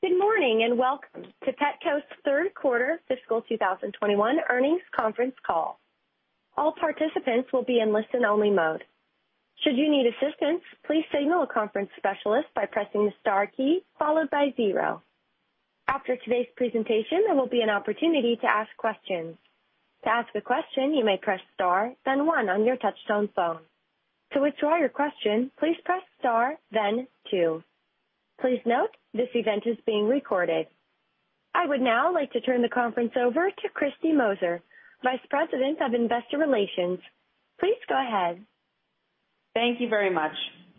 Good morning, and welcome to Petco's third quarter fiscal 2021 earnings conference call. All participants will be in listen-only mode. Should you need assistance, please signal a conference specialist by pressing the star key followed by zero. After today's presentation, there will be an opportunity to ask questions. To ask a question, you may press star, then 1 on your touchtone phone. To withdraw your question, please press star, then two. Please note, this event is being recorded. I would now like to turn the conference over to Kristy Moser, Vice President of Investor Relations. Please go ahead. Thank you very much,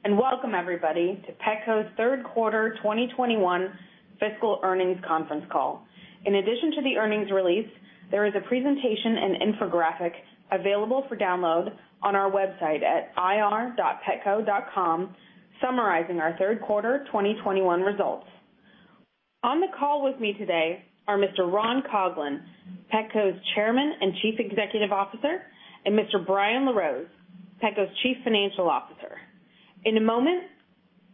and welcome everybody to Petco's Third Quarter 2021 Fiscal Earnings Conference Call. In addition to the earnings release, there is a presentation and infographic available for download on our website at ir.petco.com summarizing our third quarter 2021 results. On the call with me today are Mr. Ron Coughlin, Petco's Chairman and Chief Executive Officer, and Mr. Brian LaRose, Petco's Chief Financial Officer. In a moment,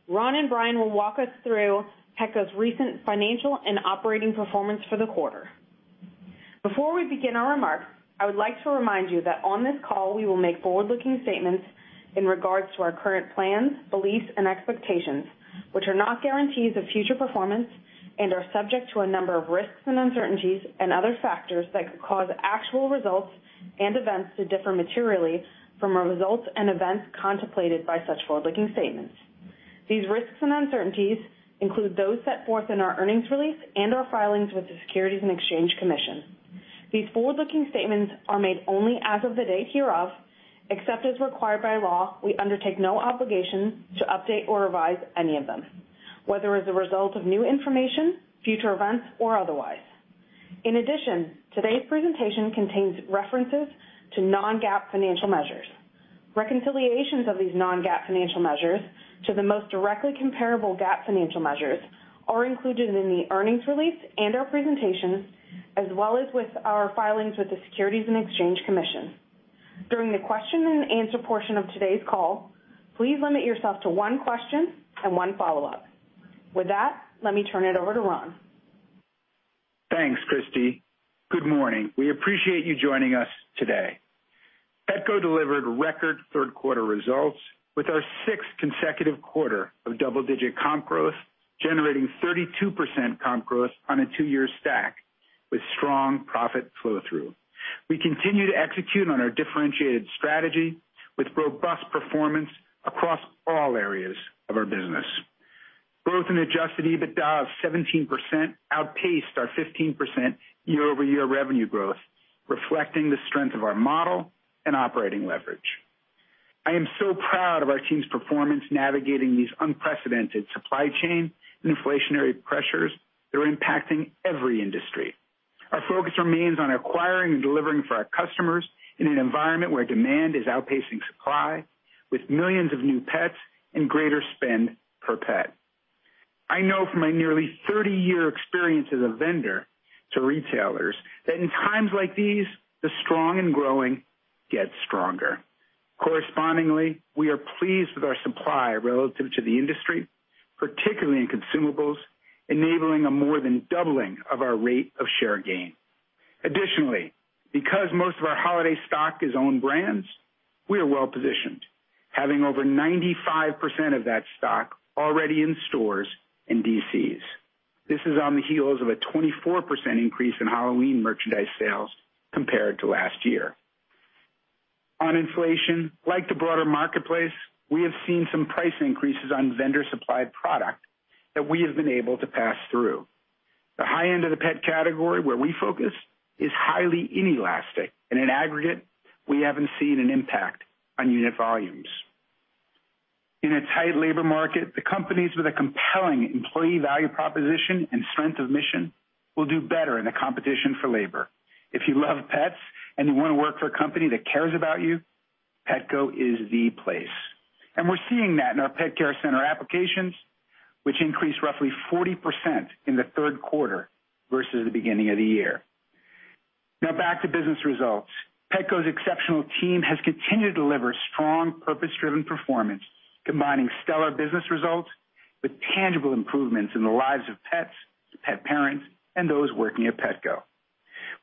Ron and Brian will walk us through Petco's recent financial and operating performance for the quarter. Before we begin our remarks, I would like to remind you that on this call we will make forward-looking statements in regards to our current plans, beliefs, and expectations, which are not guarantees of future performance and are subject to a number of risks and uncertainties and other factors that could cause actual results and events to differ materially from our results and events contemplated by such forward-looking statements. These risks and uncertainties include those set forth in our earnings release and our filings with the Securities and Exchange Commission. These forward-looking statements are made only as of the date hereof. Except as required by law, we undertake no obligation to update or revise any of them, whether as a result of new information, future events, or otherwise. In addition, today's presentation contains references to non-GAAP financial measures. Reconciliations of these non-GAAP financial measures to the most directly comparable GAAP financial measures are included in the earnings release and our presentation, as well as with our filings with the Securities and Exchange Commission. During the question and answer portion of today's call, please limit yourself to one question and one follow-up. With that, let me turn it over to Ron. Thanks, Kristy. Good morning. We appreciate you joining us today. Petco delivered record third quarter results with our sixth consecutive quarter of double-digit comp growth, generating 32% comp growth on a two-year stack with strong profit flow through. We continue to execute on our differentiated strategy with robust performance across all areas of our business. Growth in adjusted EBITDA of 17% outpaced our 15% year-over-year revenue growth, reflecting the strength of our model and operating leverage. I am so proud of our team's performance navigating these unprecedented supply chain and inflationary pressures that are impacting every industry. Our focus remains on acquiring and delivering for our customers in an environment where demand is outpacing supply, with millions of new pets and greater spend per pet. I know from my nearly 30-year experience as a vendor to retailers that in times like these, the strong and growing get stronger. Correspondingly, we are pleased with our supply relative to the industry, particularly in consumables, enabling a more than doubling of our rate of share gain. Additionally, because most of our holiday stock is own brands, we are well-positioned, having over 95% of that stock already in stores and DCs. This is on the heels of a 24% increase in Halloween merchandise sales compared to last year. On inflation, like the broader marketplace, we have seen some price increases on vendor-supplied product that we have been able to pass through. The high end of the pet category, where we focus, is highly inelastic. In an aggregate, we haven't seen an impact on unit volumes. In a tight labor market, the companies with a compelling employee value proposition and strength of mission will do better in the competition for labor. If you love pets and you wanna work for a company that cares about you, Petco is the place. We're seeing that in our Pet Care Center applications, which increased roughly 40% in the third quarter versus the beginning of the year. Now back to business results. Petco's exceptional team has continued to deliver strong, purpose-driven performance, combining stellar business results with tangible improvements in the lives of pets, pet parents, and those working at Petco.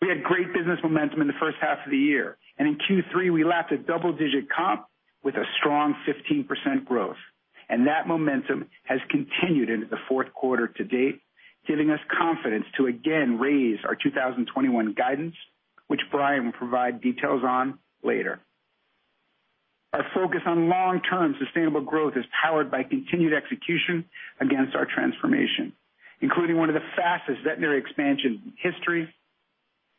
We had great business momentum in the first half of the year, and in Q3, we lapped a double-digit comp with a strong 15% growth. That momentum has continued into the fourth quarter to date, giving us confidence to again raise our 2021 guidance, which Brian will provide details on later. Our focus on long-term sustainable growth is powered by continued execution against our transformation, including one of the fastest veterinary expansion in history,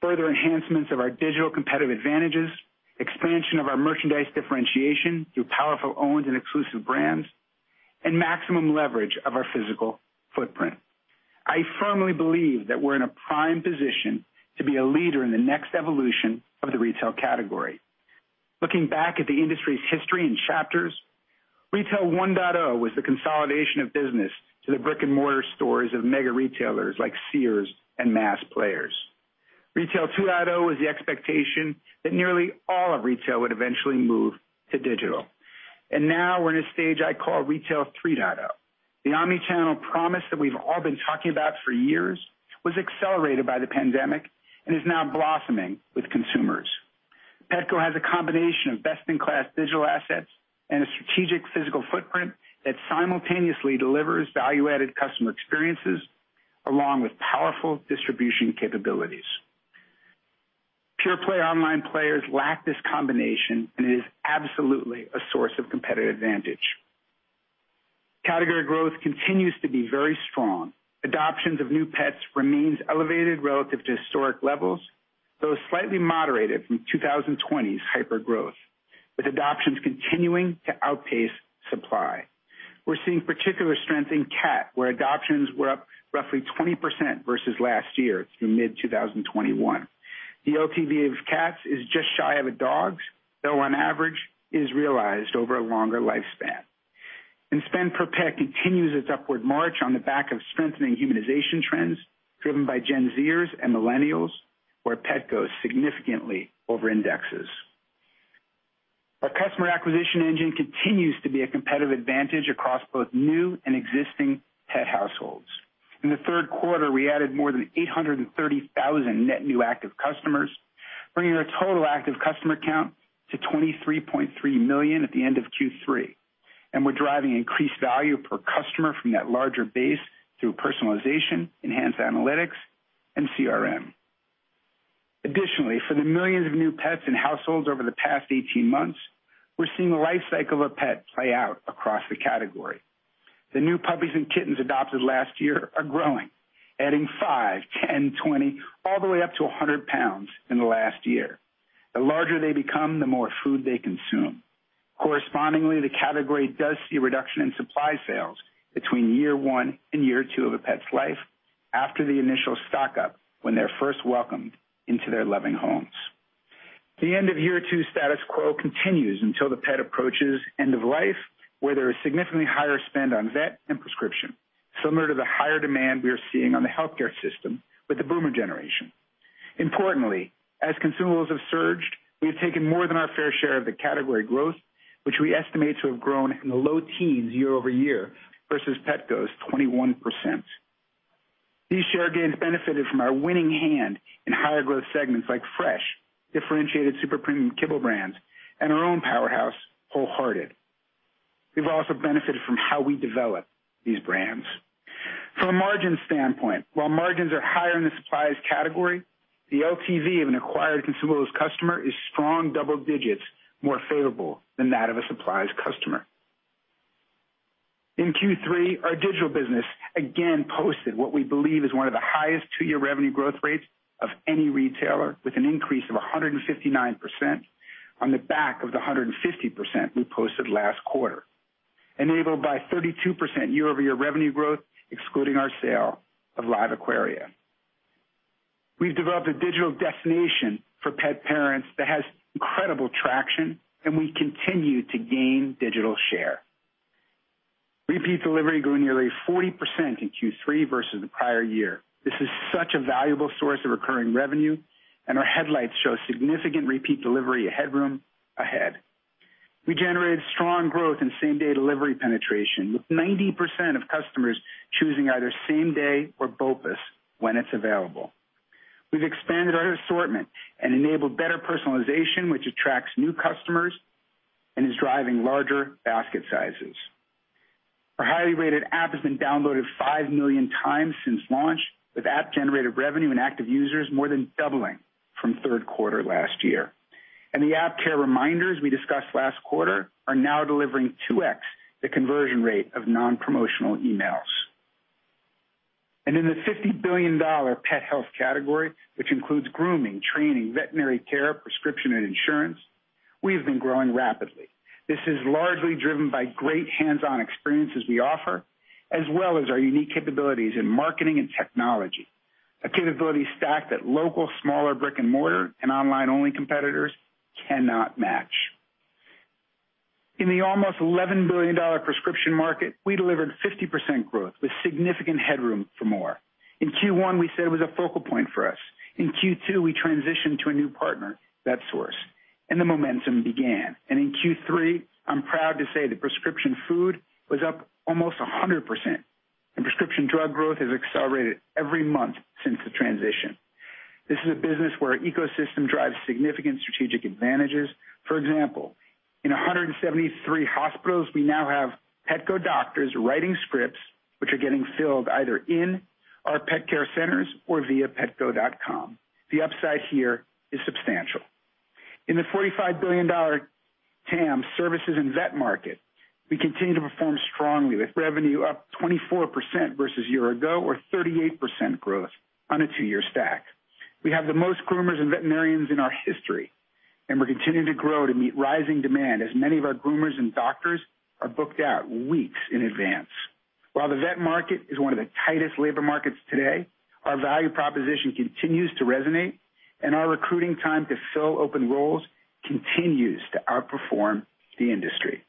further enhancements of our digital competitive advantages, expansion of our merchandise differentiation through powerful owned and exclusive brands, and maximum leverage of our physical footprint. I firmly believe that we're in a prime position to be a leader in the next evolution of the retail category. Looking back at the industry's history in chapters, Retail 1.0 was the consolidation of business to the brick-and-mortar stores of mega retailers like Sears and mass players. Retail 2.0 is the expectation that nearly all of retail would eventually move to digital. Now we're in a stage I call Retail 3.0. The omni-channel promise that we've all been talking about for years was accelerated by the pandemic and is now blossoming with consumers. Petco has a combination of best-in-class digital assets and a strategic physical footprint that simultaneously delivers value-added customer experiences along with powerful distribution capabilities. Pure play online players lack this combination and is absolutely a source of competitive advantage. Category growth continues to be very strong. Adoptions of new pets remains elevated relative to historic levels, though slightly moderated from 2020's hyper-growth, with adoptions continuing to outpace supply. We're seeing particular strength in cat, where adoptions were up roughly 20% versus last year through mid-2021. The LTV of cats is just shy of a dog's, though on average, is realized over a longer lifespan. Spend per pet continues its upward march on the back of strengthening humanization trends driven by Gen Z-ers and millennials, where Petco significantly over-indexes. Our customer acquisition engine continues to be a competitive advantage across both new and existing pet households. In the third quarter, we added more than 830,000 net new active customers, bringing our total active customer count to 23.3 million at the end of Q3. We're driving increased value per customer from that larger base through personalization, enhanced analytics, and CRM. Additionally, for the millions of new pets and households over the past 18 months, we're seeing the life cycle of a pet play out across the category. The new puppies and kittens adopted last year are growing, adding 5, 10, 20, all the way up to 100 pounds in the last year. The larger they become, the more food they consume. Correspondingly, the category does see a reduction in supply sales between year one and year two of a pet's life after the initial stock-up when they're first welcomed into their loving homes. The end-of-year-two status quo continues until the pet approaches end of life, where there is significantly higher spend on vet and prescription, similar to the higher demand we are seeing on the healthcare system with the boomer generation. Importantly, as consumables have surged, we have taken more than our fair share of the category growth, which we estimate to have grown in the low teens year-over-year versus Petco's 21%. These share gains benefited from our winning hand in higher growth segments like fresh, differentiated super premium kibble brands, and our own powerhouse, WholeHearted. We've also benefited from how we develop these brands. From a margin standpoint, while margins are higher in the supplies category, the LTV of an acquired consumables customer is strong double digits more favorable than that of a supplies customer. In Q3, our digital business again posted what we believe is one of the highest two-year revenue growth rates of any retailer with an increase of 159% on the back of the 150% we posted last quarter, enabled by 32% year-over-year revenue growth, excluding our sale of LiveAquaria. We've developed a digital destination for pet parents that has incredible traction, and we continue to gain digital share. Repeat delivery grew nearly 40% in Q3 versus the prior year. This is such a valuable source of recurring revenue, and our headlights show significant repeat delivery headroom ahead. We generated strong growth in same-day delivery penetration, with 90% of customers choosing either same-day or BOPUS when it's available. We've expanded our assortment and enabled better personalization, which attracts new customers and is driving larger basket sizes. Our highly rated app has been downloaded 5 million times since launch, with app-generated revenue and active users more than doubling from third quarter last year. The app care reminders we discussed last quarter are now delivering 2x the conversion rate of non-promotional emails. In the $50 billion pet health category, which includes grooming, training, veterinary care, prescription, and insurance, we have been growing rapidly. This is largely driven by great hands-on experiences we offer, as well as our unique capabilities in marketing and technology, a capability stack that local, smaller brick-and-mortar and online-only competitors cannot match. In the almost $11 billion prescription market, we delivered 50% growth with significant headroom for more. In Q1, we said it was a focal point for us. In Q2, we transitioned to a new partner, Vetsource, and the momentum began. In Q3, I'm proud to say that prescription food was up almost 100%, and prescription drug growth has accelerated every month since the transition. This is a business where ecosystem drives significant strategic advantages. For example, in 173 hospitals, we now have Petco doctors writing scripts which are getting filled either in our pet care centers or via petco.com. The upside here is substantial. In the $45 billion TAM services and vet market, we continue to perform strongly, with revenue up 24% versus year ago or 38% growth on a two-year stack. We have the most groomers and veterinarians in our history, and we're continuing to grow to meet rising demand as many of our groomers and doctors are booked out weeks in advance. While the vet market is one of the tightest labor markets today, our value proposition continues to resonate, and our recruiting time to fill open roles continues to outperform the industry.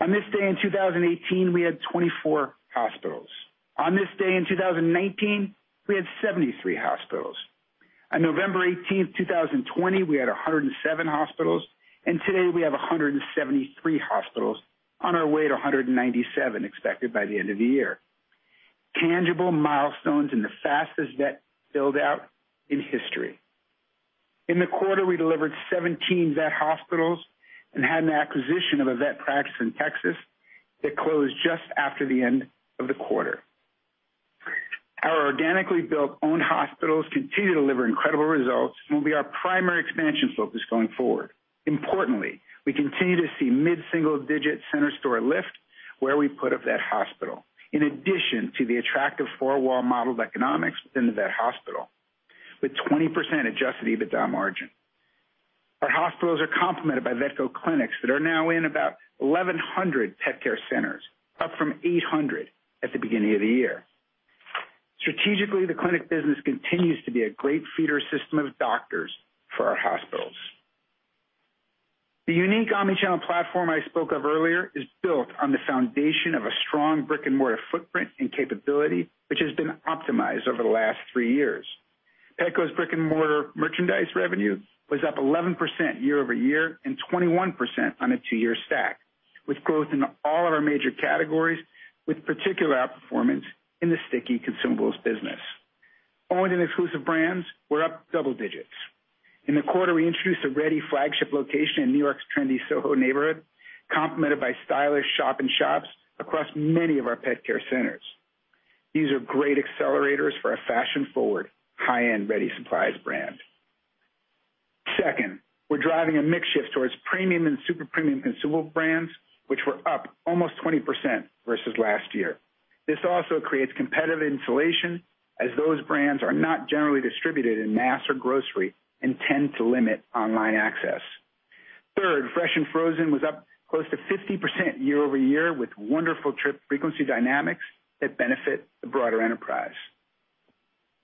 On this day in 2018, we had 24 hospitals. On this day in 2019, we had 73 hospitals. On November 18, 2020, we had 107 hospitals, and today we have 173 hospitals on our way to 197 expected by the end of the year. Tangible milestones in the fastest vet build-out in history. In the quarter, we delivered 17 vet hospitals and had an acquisition of a vet practice in Texas that closed just after the end of the quarter. Our organically built own hospitals continue to deliver incredible results and will be our primary expansion focus going forward. Importantly, we continue to see mid-single-digit center store lift where we put a vet hospital, in addition to the attractive four-wall model economics within the vet hospital with 20% adjusted EBITDA margin. Our hospitals are complemented by Vetco clinics that are now in about 1,100 Pet Care Centers, up from 800 at the beginning of the year. Strategically, the clinic business continues to be a great feeder system of doctors for our hospitals. The unique omnichannel platform I spoke of earlier is built on the foundation of a strong brick-and-mortar footprint and capability, which has been optimized over the last three years. Petco's brick-and-mortar merchandise revenue was up 11% year-over-year and 21% on a two-year stack, with growth in all of our major categories, with particular outperformance in the sticky consumables business. Owned and exclusive brands were up double digits. In the quarter, we introduced a Reddy flagship location in New York's trendy SoHo neighborhood, complemented by stylish shop-in-shops across many of our Pet Care Centers. These are great accelerators for our fashion-forward, high-end Reddy supplies brand. Second, we're driving a mix shift towards premium and super premium consumable brands, which were up almost 20% versus last year. This also creates competitive insulation, as those brands are not generally distributed in mass or grocery and tend to limit online access. Third, fresh and frozen was up close to 50% year-over-year with wonderful trip frequency dynamics that benefit the broader enterprise.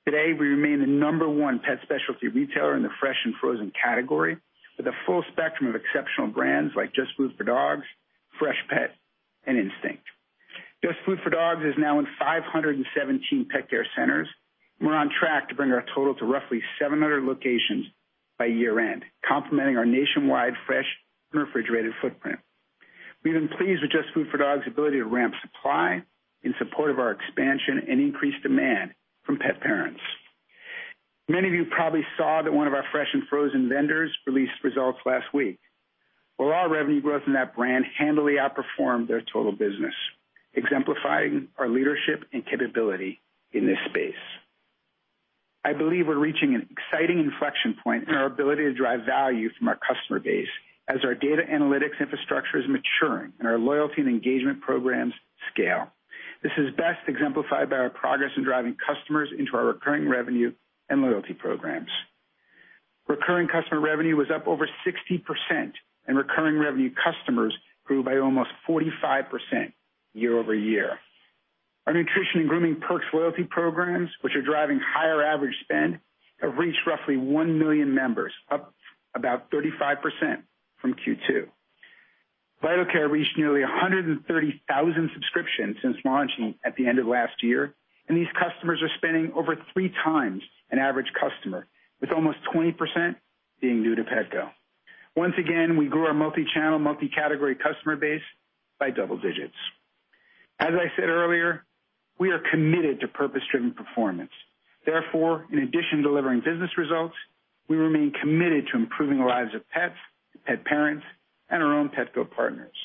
Today, we remain the number one pet specialty retailer in the fresh and frozen category with a full spectrum of exceptional brands like JustFoodForDogs, Freshpet, and Instinct. JustFoodForDogs is now in 517 Pet Care Centers. We're on track to bring our total to roughly 700 locations by year-end, complementing our nationwide fresh and refrigerated footprint. We've been pleased with JustFoodForDogs' ability to ramp supply in support of our expansion and increased demand from pet parents. Many of you probably saw that one of our fresh and frozen vendors released results last week, where our revenue growth in that brand handily outperformed their total business, exemplifying our leadership and capability in this space. I believe we're reaching an exciting inflection point in our ability to drive value from our customer base as our data analytics infrastructure is maturing and our loyalty and engagement programs scale. This is best exemplified by our progress in driving customers into our recurring revenue and loyalty programs. Recurring customer revenue was up over 60%, and recurring revenue customers grew by almost 45% year-over-year. Our nutrition and grooming perks loyalty programs, which are driving higher average spend, have reached roughly 1 million members, up about 35% from Q2. Vital Care reached nearly 130,000 subscriptions since launching at the end of last year, and these customers are spending over 3x an average customer, with almost 20% being new to Petco. Once again, we grew our multi-channel, multi-category customer base by double digits. As I said earlier, we are committed to purpose-driven performance. Therefore, in addition to delivering business results, we remain committed to improving the lives of pets, pet parents, and our own Petco partners.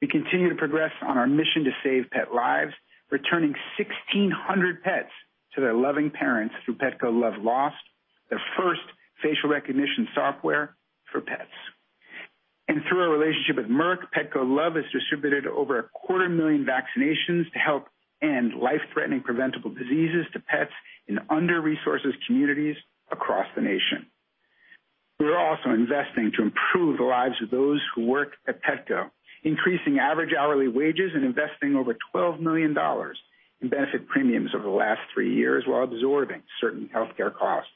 We continue to progress on our mission to save pet lives, returning 1,600 pets to their loving parents through Petco Love Lost, the first facial recognition software for pets. Through our relationship with Merck, Petco Love has distributed over a quarter million vaccinations to help end life-threatening preventable diseases to pets in under-resourced communities across the nation. We are also investing to improve the lives of those who work at Petco, increasing average hourly wages and investing over $12 million in benefit premiums over the last three years while absorbing certain healthcare costs.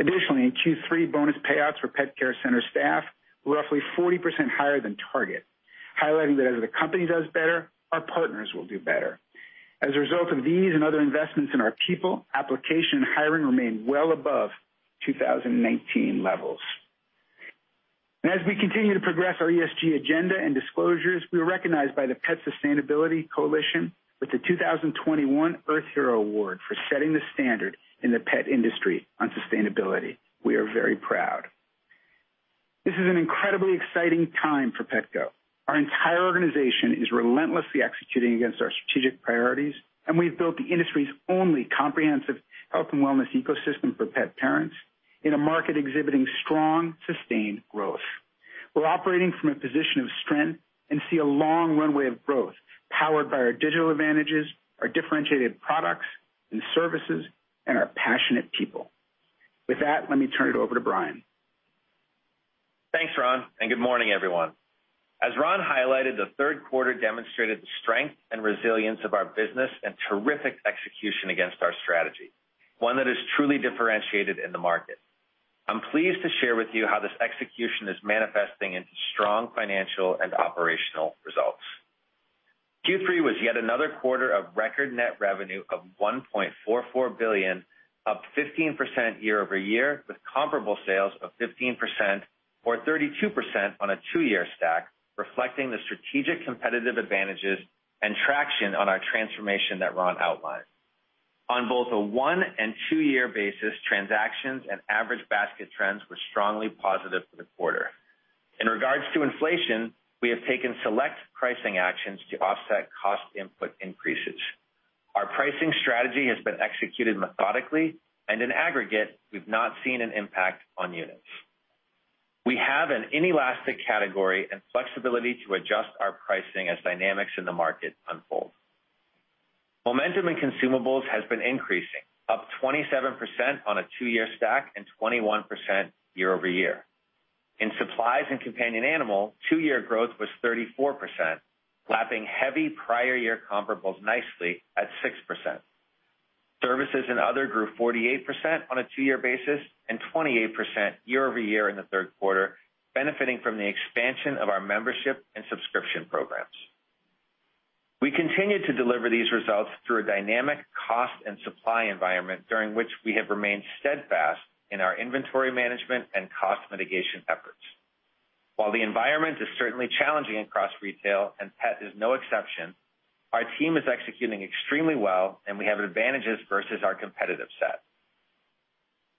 Additionally, in Q3, bonus payouts for Pet Care Center staff were roughly 40% higher than target, highlighting that as the company does better, our partners will do better. As a result of these and other investments in our people, application and hiring remain well above 2019 levels. As we continue to progress our ESG agenda and disclosures, we were recognized by the Pet Sustainability Coalition with the 2021 Earth Hero Award for setting the standard in the pet industry on sustainability. We are very proud. This is an incredibly exciting time for Petco. Our entire organization is relentlessly executing against our strategic priorities, and we've built the industry's only comprehensive health and wellness ecosystem for pet parents in a market exhibiting strong, sustained growth. We're operating from a position of strength and see a long runway of growth powered by our digital advantages, our differentiated products and services, and our passionate people. With that, let me turn it over to Brian. Thanks, Ron, and good morning, everyone. As Ron highlighted, the third quarter demonstrated the strength and resilience of our business and terrific execution against our strategy, one that is truly differentiated in the market. I'm pleased to share with you how this execution is manifesting into strong financial and operational results. Q3 was yet another quarter of record net revenue of $1.44 billion, up 15% year-over-year, with comparable sales of 15% or 32% on a two-year stack, reflecting the strategic competitive advantages and traction on our transformation that Ron outlined. On both a one and two-year basis, transactions and average basket trends were strongly positive for the quarter. In regards to inflation, we have taken select pricing actions to offset cost input increases. Our pricing strategy has been executed methodically, and in aggregate, we've not seen an impact on units. We have an inelastic category and flexibility to adjust our pricing as dynamics in the market unfold. Momentum in consumables has been increasing, up 27% on a two-year stack and 21% year-over-year. In supplies and companion animal, two-year growth was 34%, lapping heavy prior year comparables nicely at 6%. Services and other grew 48% on a two-year basis and 28% year-over-year in the third quarter, benefiting from the expansion of our membership and subscription programs. We continue to deliver these results through a dynamic cost and supply environment during which we have remained steadfast in our inventory management and cost mitigation efforts. While the environment is certainly challenging across retail, and pet is no exception, our team is executing extremely well, and we have advantages versus our competitive set.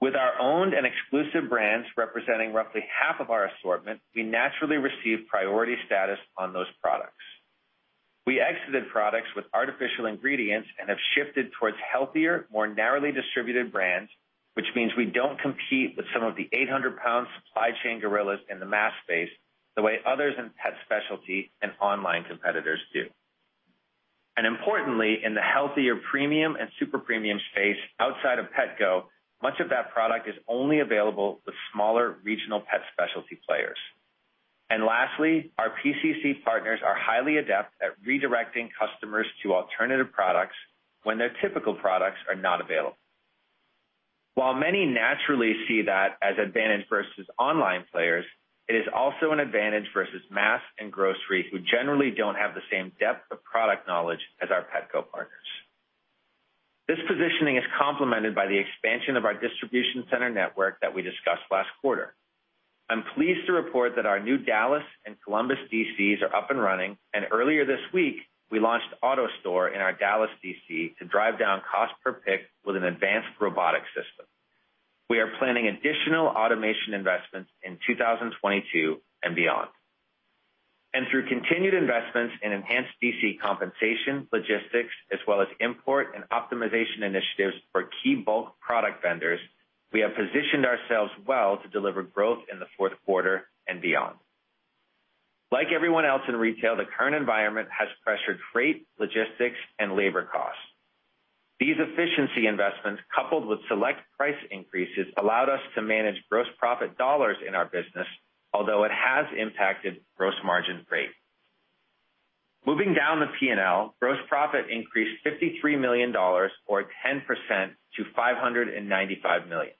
With our owned and exclusive brands representing roughly half of our assortment, we naturally receive priority status on those products. We exited products with artificial ingredients and have shifted towards healthier, more narrowly distributed brands, which means we don't compete with some of the 800-pound supply chain gorillas in the mass space the way others in pet specialty and online competitors do. Importantly, in the healthier premium and super premium space outside of Petco, much of that product is only available with smaller regional pet specialty players. Lastly, our PCC partners are highly adept at redirecting customers to alternative products when their typical products are not available. While many naturally see that as an advantage versus online players, it is also an advantage versus mass and grocery who generally don't have the same depth of product knowledge as our Petco partners. This positioning is complemented by the expansion of our distribution center network that we discussed last quarter. I'm pleased to report that our new Dallas and Columbus DCs are up and running, and earlier this week, we launched Autostore in our Dallas DC to drive down cost per pick with an advanced robotic system. We are planning additional automation investments in 2022 and beyond. Through continued investments in enhanced DC compensation, logistics, as well as import and optimization initiatives for key bulk product vendors, we have positioned ourselves well to deliver growth in the fourth quarter and beyond. Like everyone else in retail, the current environment has pressured freight, logistics, and labor costs. These efficiency investments, coupled with select price increases, allowed us to manage gross profit dollars in our business, although it has impacted gross margin rate. Moving down the P&L, gross profit increased $53 million, or 10% to $595 million.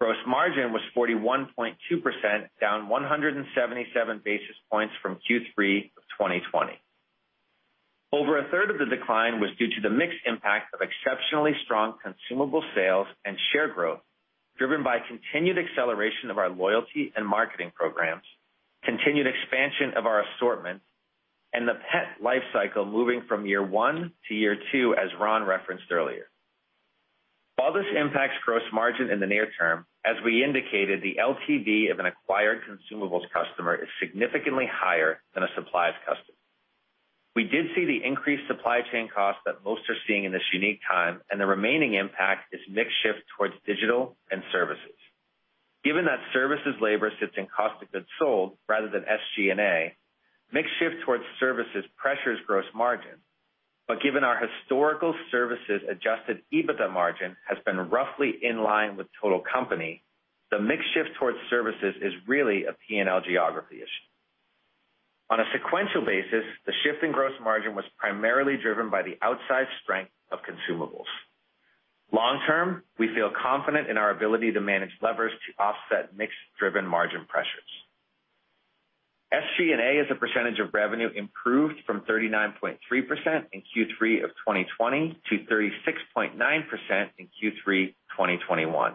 Gross margin was 41.2%, down 177 basis points from Q3 2020. Over a third of the decline was due to the mix impact of exceptionally strong consumable sales and share growth, driven by continued acceleration of our loyalty and marketing programs, continued expansion of our assortment, and the pet life cycle moving from year one to year two, as Ron referenced earlier. While this impacts gross margin in the near term, as we indicated, the LTV of an acquired consumables customer is significantly higher than a supplies customer. We did see the increased supply chain costs that most are seeing in this unique time, and the remaining impact is mix shift towards digital and services. Given that services labor sits in cost of goods sold rather than SG&A, mix shift towards services pressures gross margin. Given our historical services adjusted EBITDA margin has been roughly in line with total company, the mix shift towards services is really a P&L geography issue. On a sequential basis, the shift in gross margin was primarily driven by the outsized strength of consumables. Long-term, we feel confident in our ability to manage levers to offset mix-driven margin pressures. SG&A, as a percentage of revenue, improved from 39.3% in Q3 2020 to 36.9% in Q3 2021,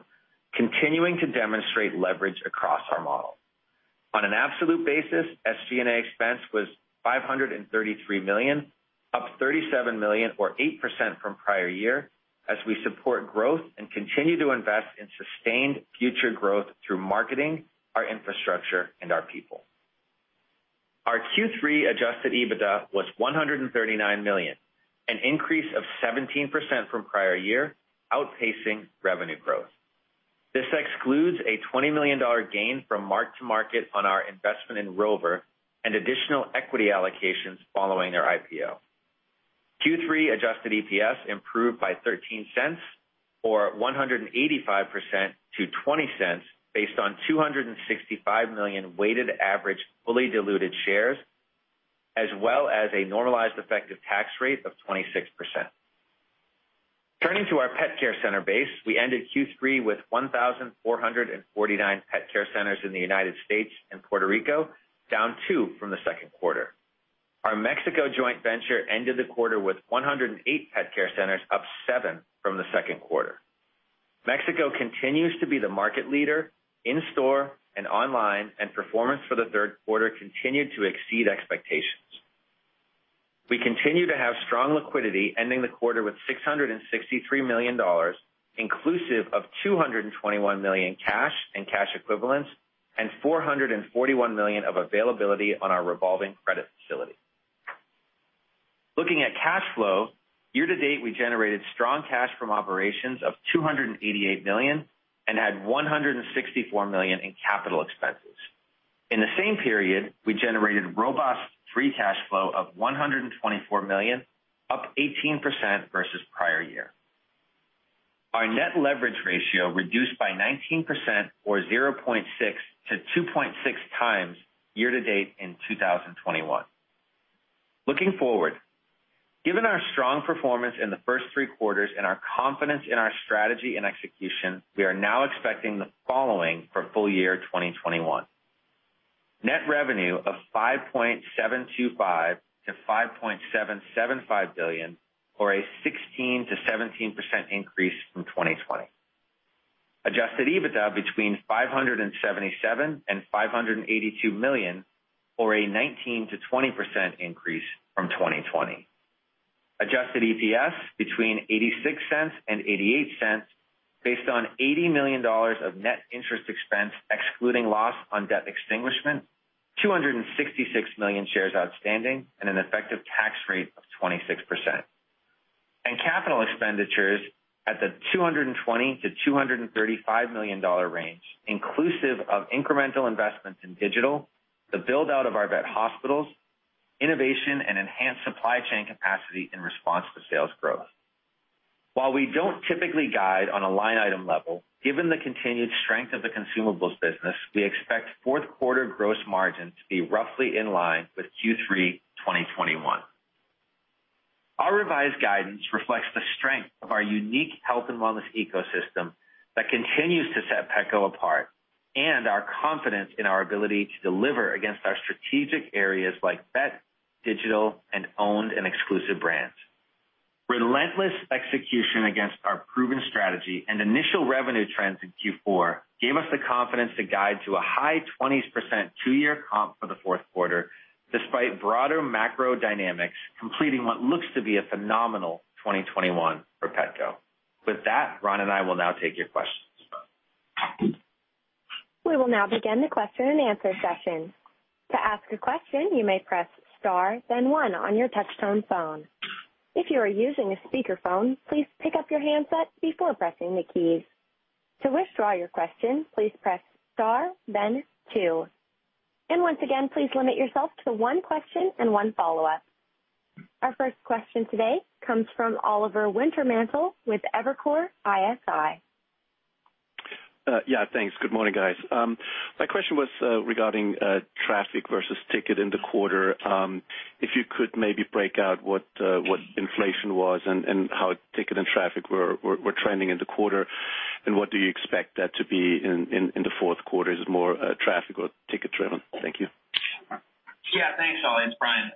continuing to demonstrate leverage across our model. On an absolute basis, SG&A expense was $533 million, up $37 million or 8% from prior year as we support growth and continue to invest in sustained future growth through marketing, our infrastructure, and our people. Our Q3 adjusted EBITDA was $139 million, an increase of 17% from prior year, outpacing revenue growth. This excludes a $20 million gain from mark-to-market on our investment in Rover and additional equity allocations following their IPO. Q3 adjusted EPS improved by $0.13 or 185% to $0.20 based on 265 million weighted average fully diluted shares, as well as a normalized effective tax rate of 26%. Turning to our Pet Care Centers base, we ended Q3 with 1,449 Pet Care Centers in the United States and Puerto Rico, down two from the second quarter. Our Mexico joint venture ended the quarter with 108 Pet Care Centers, up seven from the second quarter. Mexico continues to be the market leader in store and online, and performance for the third quarter continued to exceed expectations. We continue to have strong liquidity, ending the quarter with $663 million, inclusive of $221 million cash and cash equivalents and $441 million of availability on our revolving credit facility. Looking at cash flow, year-to-date, we generated strong cash from operations of $288 million and had $164 million in capital expenses. In the same period, we generated robust free cash flow of $124 million, up 18% versus prior year. Our net leverage ratio reduced by 19% or 0.6 to 2.6x year-to-date in 2021. Looking forward, given our strong performance in the first three quarters and our confidence in our strategy and execution, we are now expecting the following for full year 2021. Net revenue of $5.725 billion-$5.775 billion, or a 16%-17% increase from 2020. Adjusted EBITDA between $577 million and $582 million, or a 19%-20% increase from 2020. Adjusted EPS between $0.86 and $0.88 based on $80 million of net interest expense, excluding loss on debt extinguishment, 266 million shares outstanding, and an effective tax rate of 26%. Capital expenditures at the $220 million-$235 million range, inclusive of incremental investments in digital, the build-out of our vet hospitals, innovation, and enhanced supply chain capacity in response to sales growth. While we don't typically guide on a line item level, given the continued strength of the consumables business, we expect fourth quarter gross margin to be roughly in line with Q3 2021. Our revised guidance reflects the strength of our unique health and wellness ecosystem that continues to set Petco apart and our confidence in our ability to deliver against our strategic areas like vet, digital, and owned and exclusive brands. Relentless execution against our proven strategy and initial revenue trends in Q4 gave us the confidence to guide to a high 20s% two-year comp for the fourth quarter, despite broader macro dynamics completing what looks to be a phenomenal 2021 for Petco. With that, Ron and I will now take your questions. We will now begin the question and answer session. To ask a question, you may press star then one on your touchtone phone. If you are using a speakerphone, please pick up your handset before pressing the keys. To withdraw your question, please press star then two. Once again, please limit yourself to one question and one follow-up. Our first question today comes from Oliver Wintermantel with Evercore ISI. Yeah, thanks. Good morning, guys. My question was regarding traffic versus ticket in the quarter. If you could maybe break out what inflation was and how ticket and traffic were trending in the quarter, and what do you expect that to be in the fourth quarter? Is it more traffic or ticket driven? Thank you. Yeah. Thanks, Oliver. It's Brian.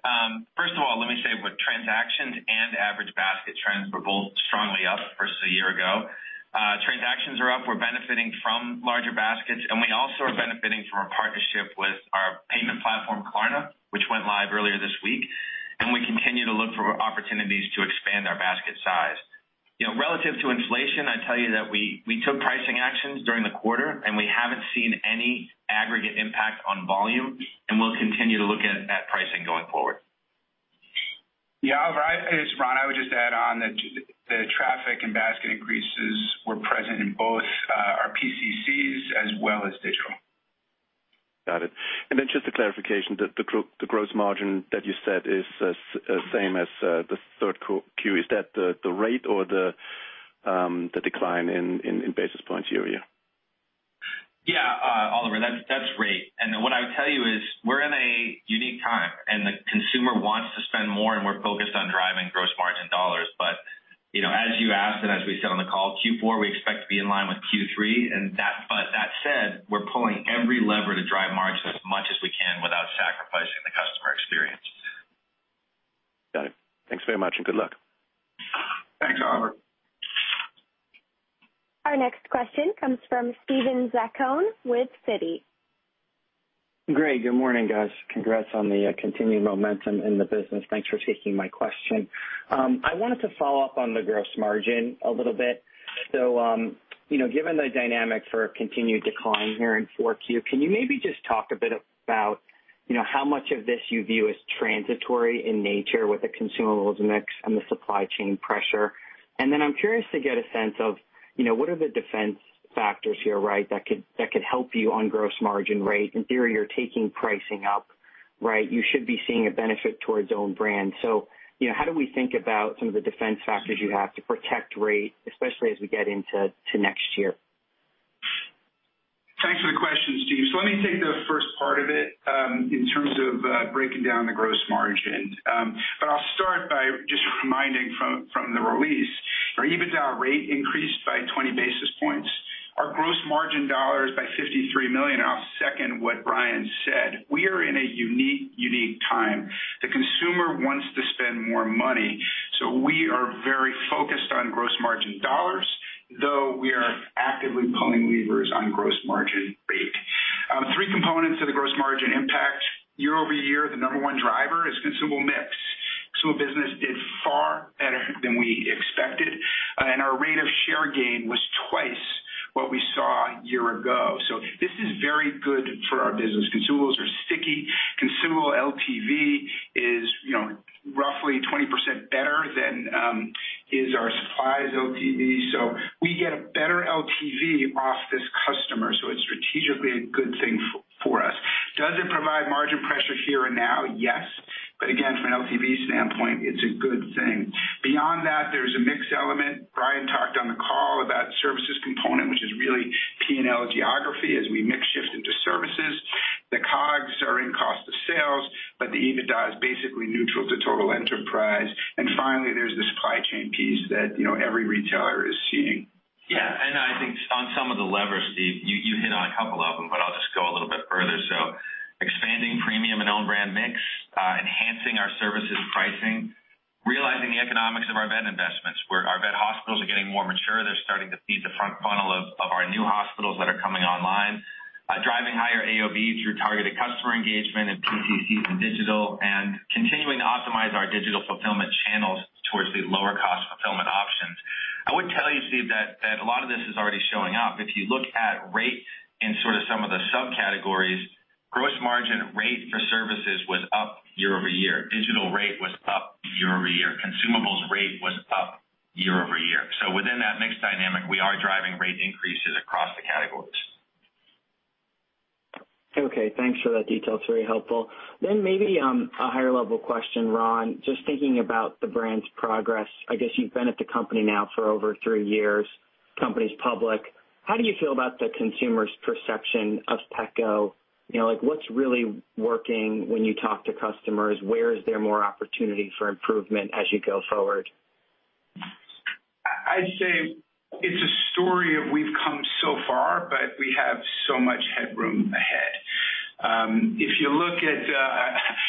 First of all, let me say with transactions and average basket trends were both strongly up versus a year ago. Transactions are up. We're benefiting from larger baskets, and we also are benefiting from our partnership with our payment platform, Klarna, which went live earlier this week, and we continue to look for opportunities to expand our basket size. You know, relative to inflation, I'd tell you that we took pricing actions during the quarter, and we haven't seen any aggregate impact on volume, and we'll continue to look at pricing going forward. Yeah, Oliver, it's Ron. I would just add on that the traffic and basket increases were present in both our PCCs as well as digital. Got it. Just a clarification, the gross margin that you said is same as the third quarter. Is that the rate or the decline in basis points year-over-year? Yeah, Oliver, that's right. What I would tell you is we're in a unique time, and the consumer wants to spend more, and we're focused on driving gross margin dollars. You know, as you asked and as we said on the call, Q4, we expect to be in line with Q3. That said, we're pulling every lever to drive margins as much as we can without sacrificing the customer experience. Got it. Thanks very much, and good luck. Thanks, Oliver. Our next question comes from Steven Zaccone with Citi. Great. Good morning, guys. Congrats on the continued momentum in the business. Thanks for taking my question. I wanted to follow up on the gross margin a little bit. You know, given the dynamic for a continued decline here in 4Q, can you maybe just talk a bit about, you know, how much of this you view as transitory in nature with the consumables mix and the supply chain pressure? Then I'm curious to get a sense of, you know, what are the defense factors here, right, that could help you on gross margin rate? In theory, you're taking pricing up, right? You should be seeing a benefit towards own brand. You know, how do we think about some of the defense factors you have to protect rate, especially as we get into next year? Steve, let me take the first part of it, in terms of breaking down the gross margin. I'll start by just reminding from the release. Our EBITDA rate increased by 20 basis points. Our gross margin dollars by $53 million. I'll second what Brian said. We are in a unique time. The consumer wants to spend more money, so we are very focused on gross margin dollars, though we are actively pulling levers on gross margin rate. Three components of the gross margin impact. Year-over-year, the number one driver is consumable mix. Consumable business did far better than we expected, and our rate of share gain was twice what we saw a year ago. This is very good for our business. Consumables are sticky. Consumable LTV is, you know, roughly 20% better than is our supplies LTV. We get a better LTV off this customer, so it's strategically a good thing for us. Does it provide margin pressure here and now? Yes. Again, from an LTV standpoint, it's a good thing. Beyond that, there's a mix element. Brian talked on the call about services component, which is really P&L geography as we mix shift into services. The COGS are in cost of sales, but the EBITDA is basically neutral to total enterprise. Finally, there's the supply chain piece that, you know, every retailer is seeing. Yeah. I think on some of the levers, Steve, you hit on a couple of them, but I'll just go a little bit further. Expanding premium and own brand mix, enhancing our services pricing, realizing the economics of our vet investments, where our vet hospitals are getting more mature, they're starting to feed the front funnel of our new hospitals that are coming online. Driving higher AOV through targeted customer engagement and PCCs and digital, and continuing to optimize our digital fulfillment channels towards the lower cost fulfillment options. I would tell you, Steve, that a lot of this is already showing up. If you look at rate in sort of some of the subcategories, gross margin rate for services was up year-over-year. Digital rate was up year-over-year. Consumables rate was up year-over-year. Within that mix dynamic, we are driving rate increases across the categories. Okay, thanks for that detail. It's very helpful. Maybe a higher level question, Ron. Just thinking about the brand's progress, I guess you've been at the company now for over three years. Company's public. How do you feel about the consumer's perception of Petco? You know, like, what's really working when you talk to customers? Where is there more opportunity for improvement as you go forward? I'd say it's a story of we've come so far, but we have so much headroom ahead. If you look at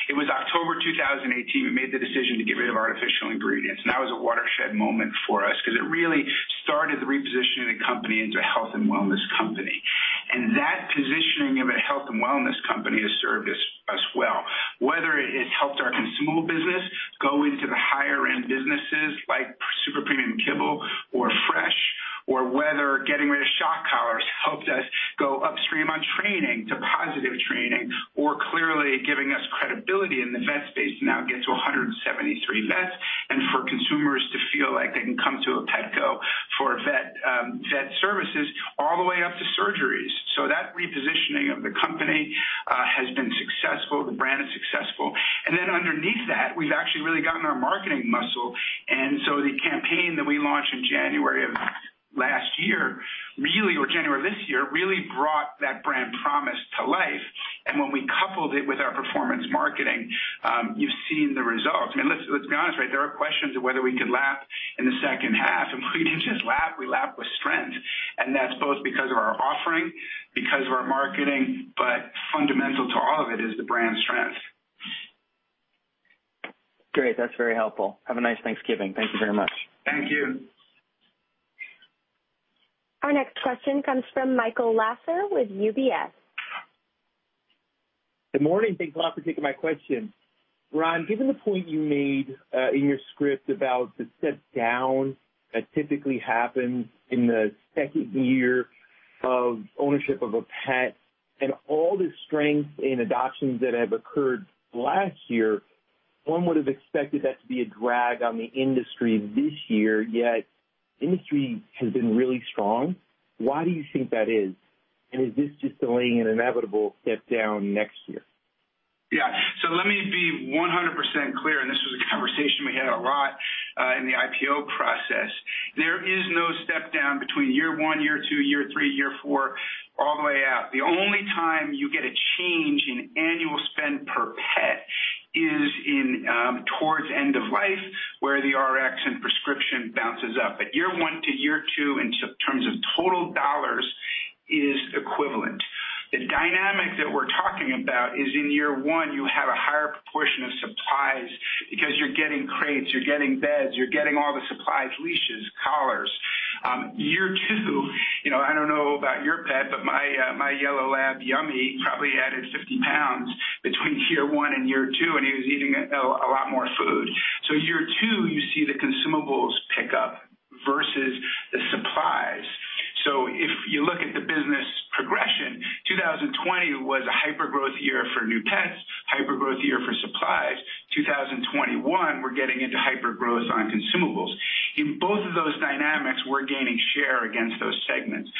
it was October 2018, we made the decision to get rid of artificial ingredients, and that was a watershed moment for us because it really started repositioning the company into a health and wellness company. That positioning of a health and wellness company has served us well. Whether it has helped our consumable business go into the higher end businesses like super premium kibble or fresh, or whether getting rid of shock collars helped us go upstream on training to positive training, or clearly giving us credibility in the vet space to now get to 173 vets and for consumers to feel like they can come to a Petco for vet services all the way up to surgeries. That repositioning of the company has been successful. The brand is successful. Underneath that, we've actually really gotten our marketing muscle. The campaign that we launched in January of this year, really brought that brand promise to life. When we coupled it with our performance marketing, you've seen the results. I mean, let's be honest, right? There are questions of whether we could lap in the second half, and we didn't just lap, we lapped with strength. That's both because of our offering, because of our marketing, but fundamental to all of it is the brand strength. Great. That's very helpful. Have a nice Thanksgiving. Thank you very much. Thank you. Our next question comes from Michael Lasser with UBS. Good morning. Thanks a lot for taking my question. Ron, given the point you made in your script about the step down that typically happens in the second year of ownership of a pet and all the strength in adoptions that have occurred last year, one would have expected that to be a drag on the industry this year, yet industry has been really strong. Why do you think that is? Is this just delaying an inevitable step down next year? Yeah. Let me be 100% clear, and this was a conversation we had a lot in the IPO process. There is no step down between year one, year two, year three, year four, all the way out. The only time you get a change in annual spend per pet is towards end of life, where the Rx and prescription bounces up. Year one to year two in terms of total dollars is equivalent. The dynamic that we're talking about is in year one, you have a higher proportion of supplies because you're getting crates, you're getting beds, you're getting all the supplies, leashes, collars. Year two, you know, I don't know about your pet, but my yellow Lab, Yummy, probably added 50 pounds between year one and year two, and he was eating a lot more food. Year two, you see the consumables pick up versus the supplies. If you look at the business progression, 2020 was a hyper-growth year for new pets, hyper-growth year for supplies. 2021, we're getting into hyper-growth on consumables. In both of those dynamics, we're gaining share against those segments.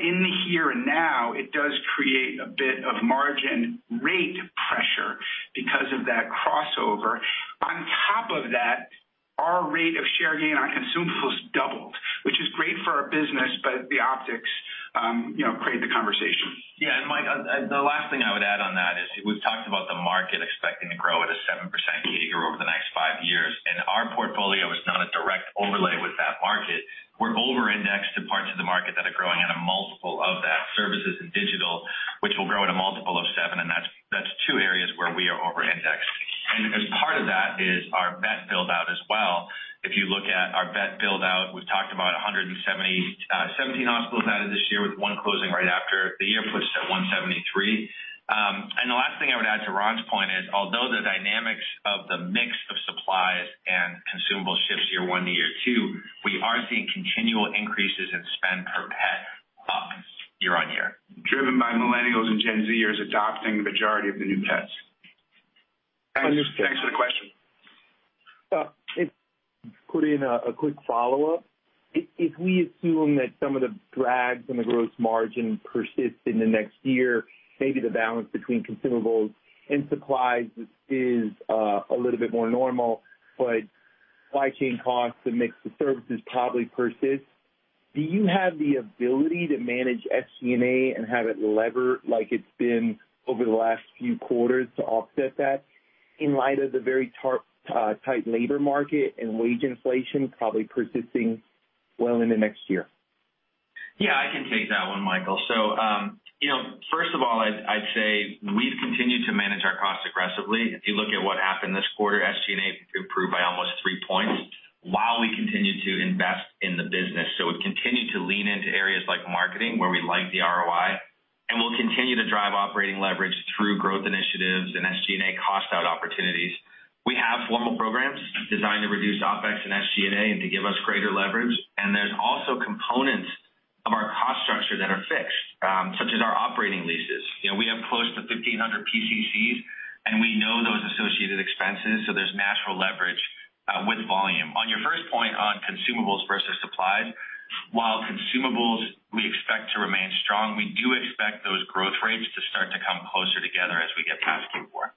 In the here and now, it does create a bit of margin rate pressure because of that crossover. On top of that, our rate of share gain on consumables doubled, which is great for our business, but the optics, you know, create the conversation. Mike, the last thing I would add on that is we've talked about the market expecting to grow at a 7% CAGR over the next five years, and our portfolio is not a direct overlay with that market. We're over-indexed to parts of the market that are growing at a multiple of that. Services and digital, which will grow at a multiple of 7, and that's two areas where we are over-indexed. Part of that is our vet build-out as well. If you look at our vet build-out, we've talked about 177 hospitals added this year with one closing right after the year puts us at 173. The last thing I would add to Ron's point is, although the dynamics of the mix of supplies and consumable shifts year one to year two, we are seeing continual increases in spend per pet [up] year-on-year. Driven by millennials and Gen Zers adopting the majority of the new pets. Understood. Thanks for the question. If I could put in a quick follow-up. If we assume that some of the drags on the gross margin persist in the next year, maybe the balance between consumables and supplies is a little bit more normal. But supply chain costs and mix of services probably persist. Do you have the ability to manage SG&A and have it leverage like it's been over the last few quarters to offset that in light of the very tight labor market and wage inflation probably persisting well into next year? Yeah, I can take that one, Michael. You know, first of all, I'd say we've continued to manage our costs aggressively. If you look at what happened this quarter, SG&A improved by almost three points while we continued to invest in the business. We've continued to lean into areas like marketing where we like the ROI, and we'll continue to drive operating leverage through growth initiatives and SG&A cost out opportunities. We have formal programs designed to reduce OpEx and SG&A and to give us greater leverage, and there's also components of our cost structure that are fixed, such as our operating leases. You know, we have close to 1,500 PCCs, and we know those associated expenses, so there's natural leverage with volume. On your first point on consumables versus supplies, while consumables we expect to remain strong, we do expect those growth rates to start to come closer together as we get past Q4.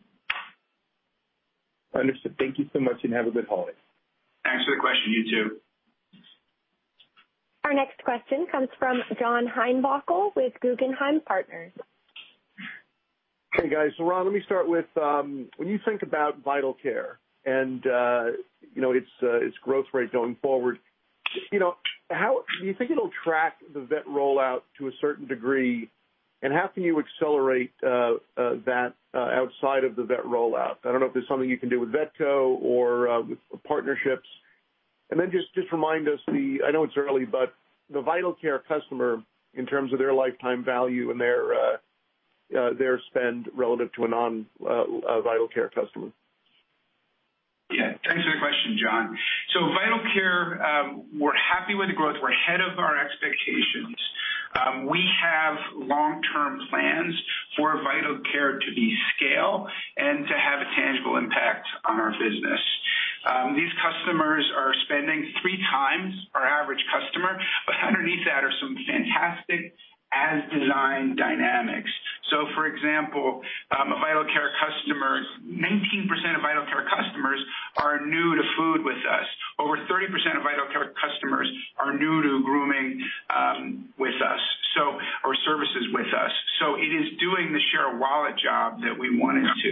Understood. Thank you so much, and have a good holiday. Thanks for the question. You too. Our next question comes from John Heinbockel with Guggenheim Partners. Hey, guys. Ron, let me start with when you think about Vital Care and you know its growth rate going forward, you know, how do you think it'll track the Vetco rollout to a certain degree, and how can you accelerate that outside of the Vetco rollout. I don't know if there's something you can do with Vetco or with partnerships. Just remind us. I know it's early, but the Vital Care customer in terms of their lifetime value and their you know their spend relative to a non Vital Care customer. Yeah. Thanks for the question, John. Vital Care, we're happy with the growth. We're ahead of our expectations. We have long-term plans for Vital Care to be at scale and to have a tangible impact on our business. These customers are spending 3x our average customer, but underneath that are some fantastic as-designed dynamics. For example, a Vital Care customer, 19% of Vital Care customers are new to food with us. Over 30% of Vital Care customers are new to grooming with us, or services with us. It is doing the share of wallet job that we want it to.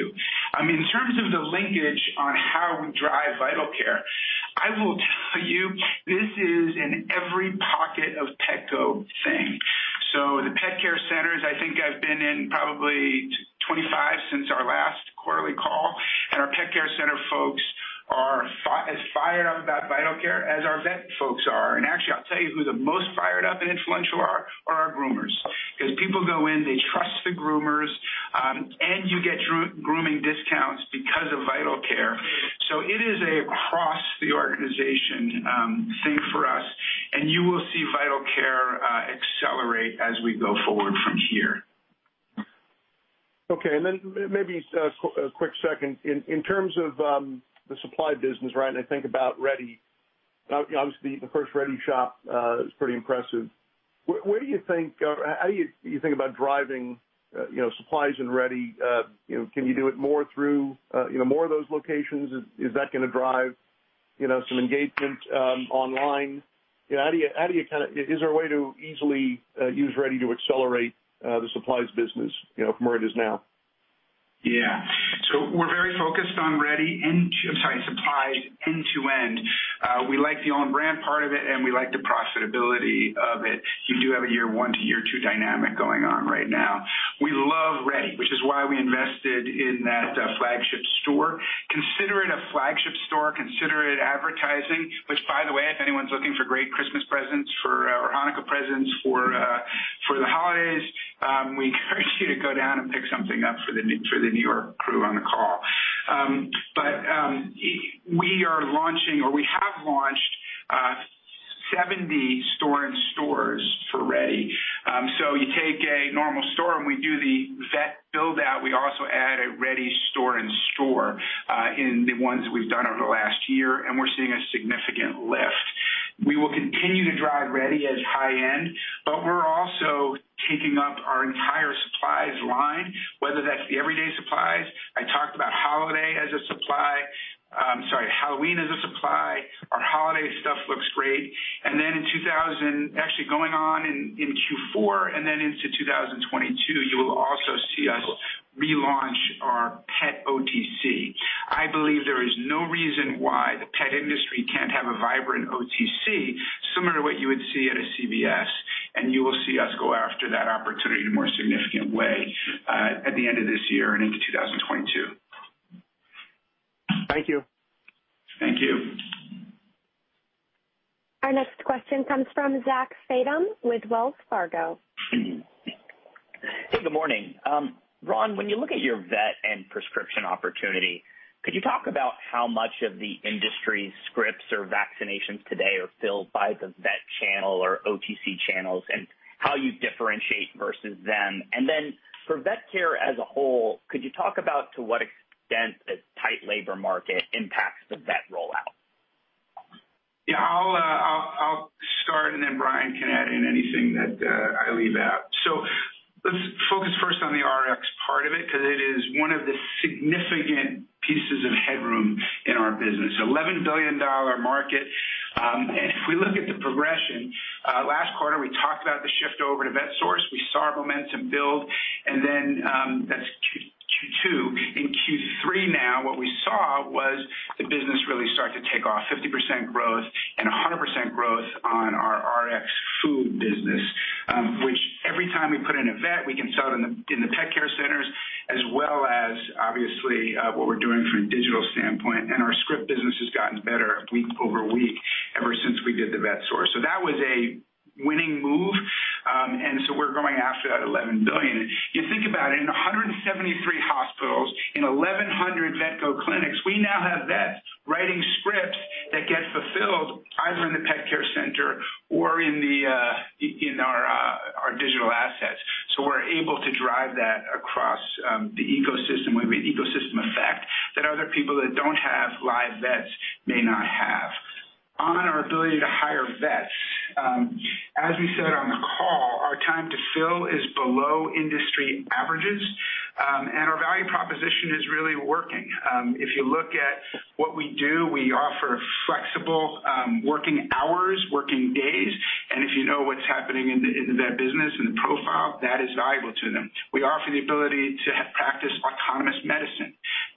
In terms of the linkage on how we drive Vital Care, I will tell you this is an every pocket of Petco thing. The pet care centers, I think I've been in probably 25 since our last quarterly call, and our Pet Care Center folks are as fired up about Vital Care as our vet folks are. Actually, I'll tell you who the most fired up and influential are our groomers. Because people go in, they trust the groomers, and you get grooming discounts because of Vital Care. It is across the organization thing for us, and you will see Vital Care accelerate as we go forward from here. Okay. Maybe a quick second. In terms of the supply business, right, and I think about Reddy, you know, obviously the first Reddy shop is pretty impressive. Where do you think or how do you think about driving, you know, supplies in Reddy? You know, can you do it more through, you know, more of those locations? Is that gonna drive, you know, some engagement online? You know, how do you kind of. Is there a way to easily use Reddy to accelerate the supplies business, you know, from where it is now? Yeah. We're very focused on supplies end-to-end. We like the own brand part of it, and we like the profitability of it. You do have a year one to year two dynamic going on right now. We love Reddy, which is why we invested in that flagship store. Consider it a flagship store, consider it advertising, which by the way, if anyone's looking for great Christmas presents for or Hanukkah presents for the holidays, we encourage you to go down and pick something up for the New York crew on the call. We are launching or we have launched 70 store in stores for Reddy. You take a normal store, and we do the vet build-out. We also add a Reddy store in-store in the ones we've done over the last year, and we're seeing a significant lift. We will continue to drive Reddy as high-end, but we're also taking up our entire supplies line, whether that's the everyday supplies. I talked about holiday as a supply. Halloween as a supply. Our holiday stuff looks great. Going on in Q4 and then into 2022, you will also see us relaunch our pet OTC. I believe there is no reason why the pet industry can't have a vibrant OTC, similar to what you would see at a CVS, and you will see us go after that opportunity in a more significant way at the end of this year and into 2022. Thank you. Thank you. Our next question comes from Zachary Fadem with Wells Fargo. Hey, good morning. Ron, when you look at your vet and prescription opportunity, could you talk about how much of the industry scripts or vaccinations today are filled by the vet channel or OTC channels and how you differentiate versus them? For vet care as a whole, could you talk about to what extent the tight labor market impacts the vet rollout? Yeah, I'll start and then Brian can add in anything that I leave out. Let's focus first on the Rx part of it, because it is one of the significant pieces of headroom in our business. $11 billion market. If we look at the progression, last quarter, we talked about the shift over to Vetsource. We saw momentum build, and then that's Q2. In Q3 now, what we saw was the business really start to take off. 50% growth and 100% growth on our Rx food business, which every time we put in a vet, we can sell it in the Pet Care Centers as well as obviously what we're doing from a digital standpoint. Our script business has gotten better week-over-week ever since we did the Vetsource. That was a winning move. We're going after that $11 billion. You think about it, in 173 hospitals, in 1,100 Vetco clinics, we now have vets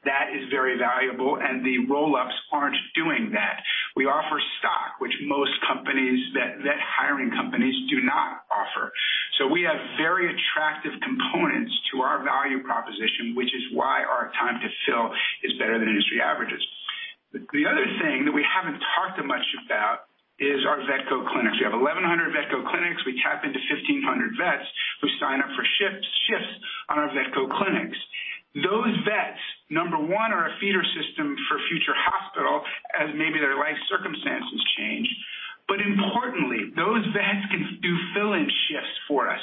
That is very valuable, and the roll-ups aren't doing that. We offer stock, which most companies, vet hiring companies do not offer. We have very attractive components to our value proposition, which is why our time to fill is better than industry averages. The other thing that we haven't talked much about is our Vetco clinics. We have 1,100 Vetco clinics. We tap into 1,500 vets who sign up for shifts on our Vetco clinics. Those vets, number one, are a feeder system for future hospital as maybe their life circumstances change. But importantly, those vets can do fill-in shifts for us.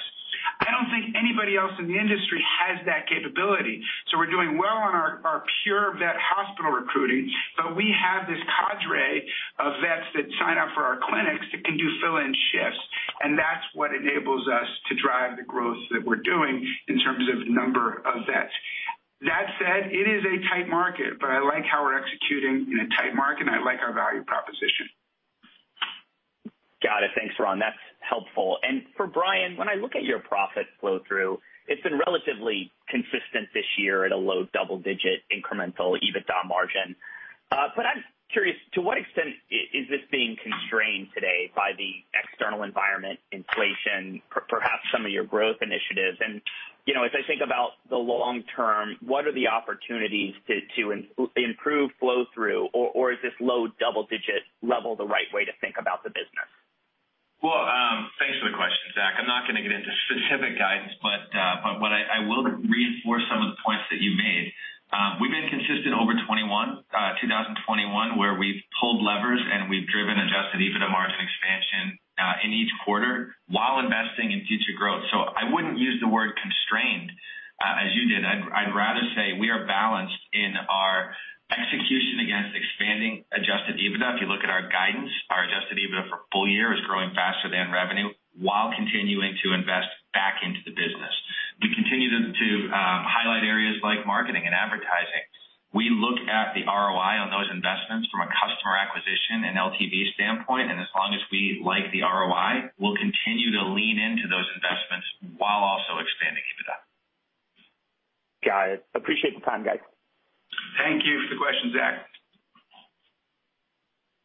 I don't think anybody else in the industry has that capability. We're doing well on our pure vet hospital recruiting, but we have this cadre of vets that sign up for our clinics that can do fill-in shifts, and that's what enables us to drive the growth that we're doing in terms of number of vets. That said, it is a tight market, but I like how we're executing in a tight market, and I like our value proposition. Got it. Thanks, Ron. That's helpful. For Brian, when I look at your profit flow through, it's been relatively consistent this year at a low double-digit incremental EBITDA margin. I'm curious to what extent is this being constrained today by the external environment, inflation, perhaps some of your growth initiatives. You know, as I think about the long term, what are the opportunities to improve flow through or is this low double-digit level the right way to think about the business? Well, thanks for the question, Zach. I'm not gonna get into specific guidance, but what I will reinforce some of the points that you made. We've been consistent over 2021, where we've pulled levers and we've driven adjusted EBITDA margin expansion in each quarter while investing in future growth. I wouldn't use the word constrained, as you did. I'd rather say we are balanced in our execution against expanding adjusted EBITDA. If you look at our guidance, our adjusted EBITDA for full year is growing faster than revenue while continuing to invest back into the business. We continue to highlight areas like marketing and advertising. We look at the ROI on those investments from a customer acquisition and LTV standpoint, and as long as we like the ROI, we'll continue to lean into those investments while also expanding EBITDA. Got it. Appreciate the time, guys. Thank you for the question, Zach.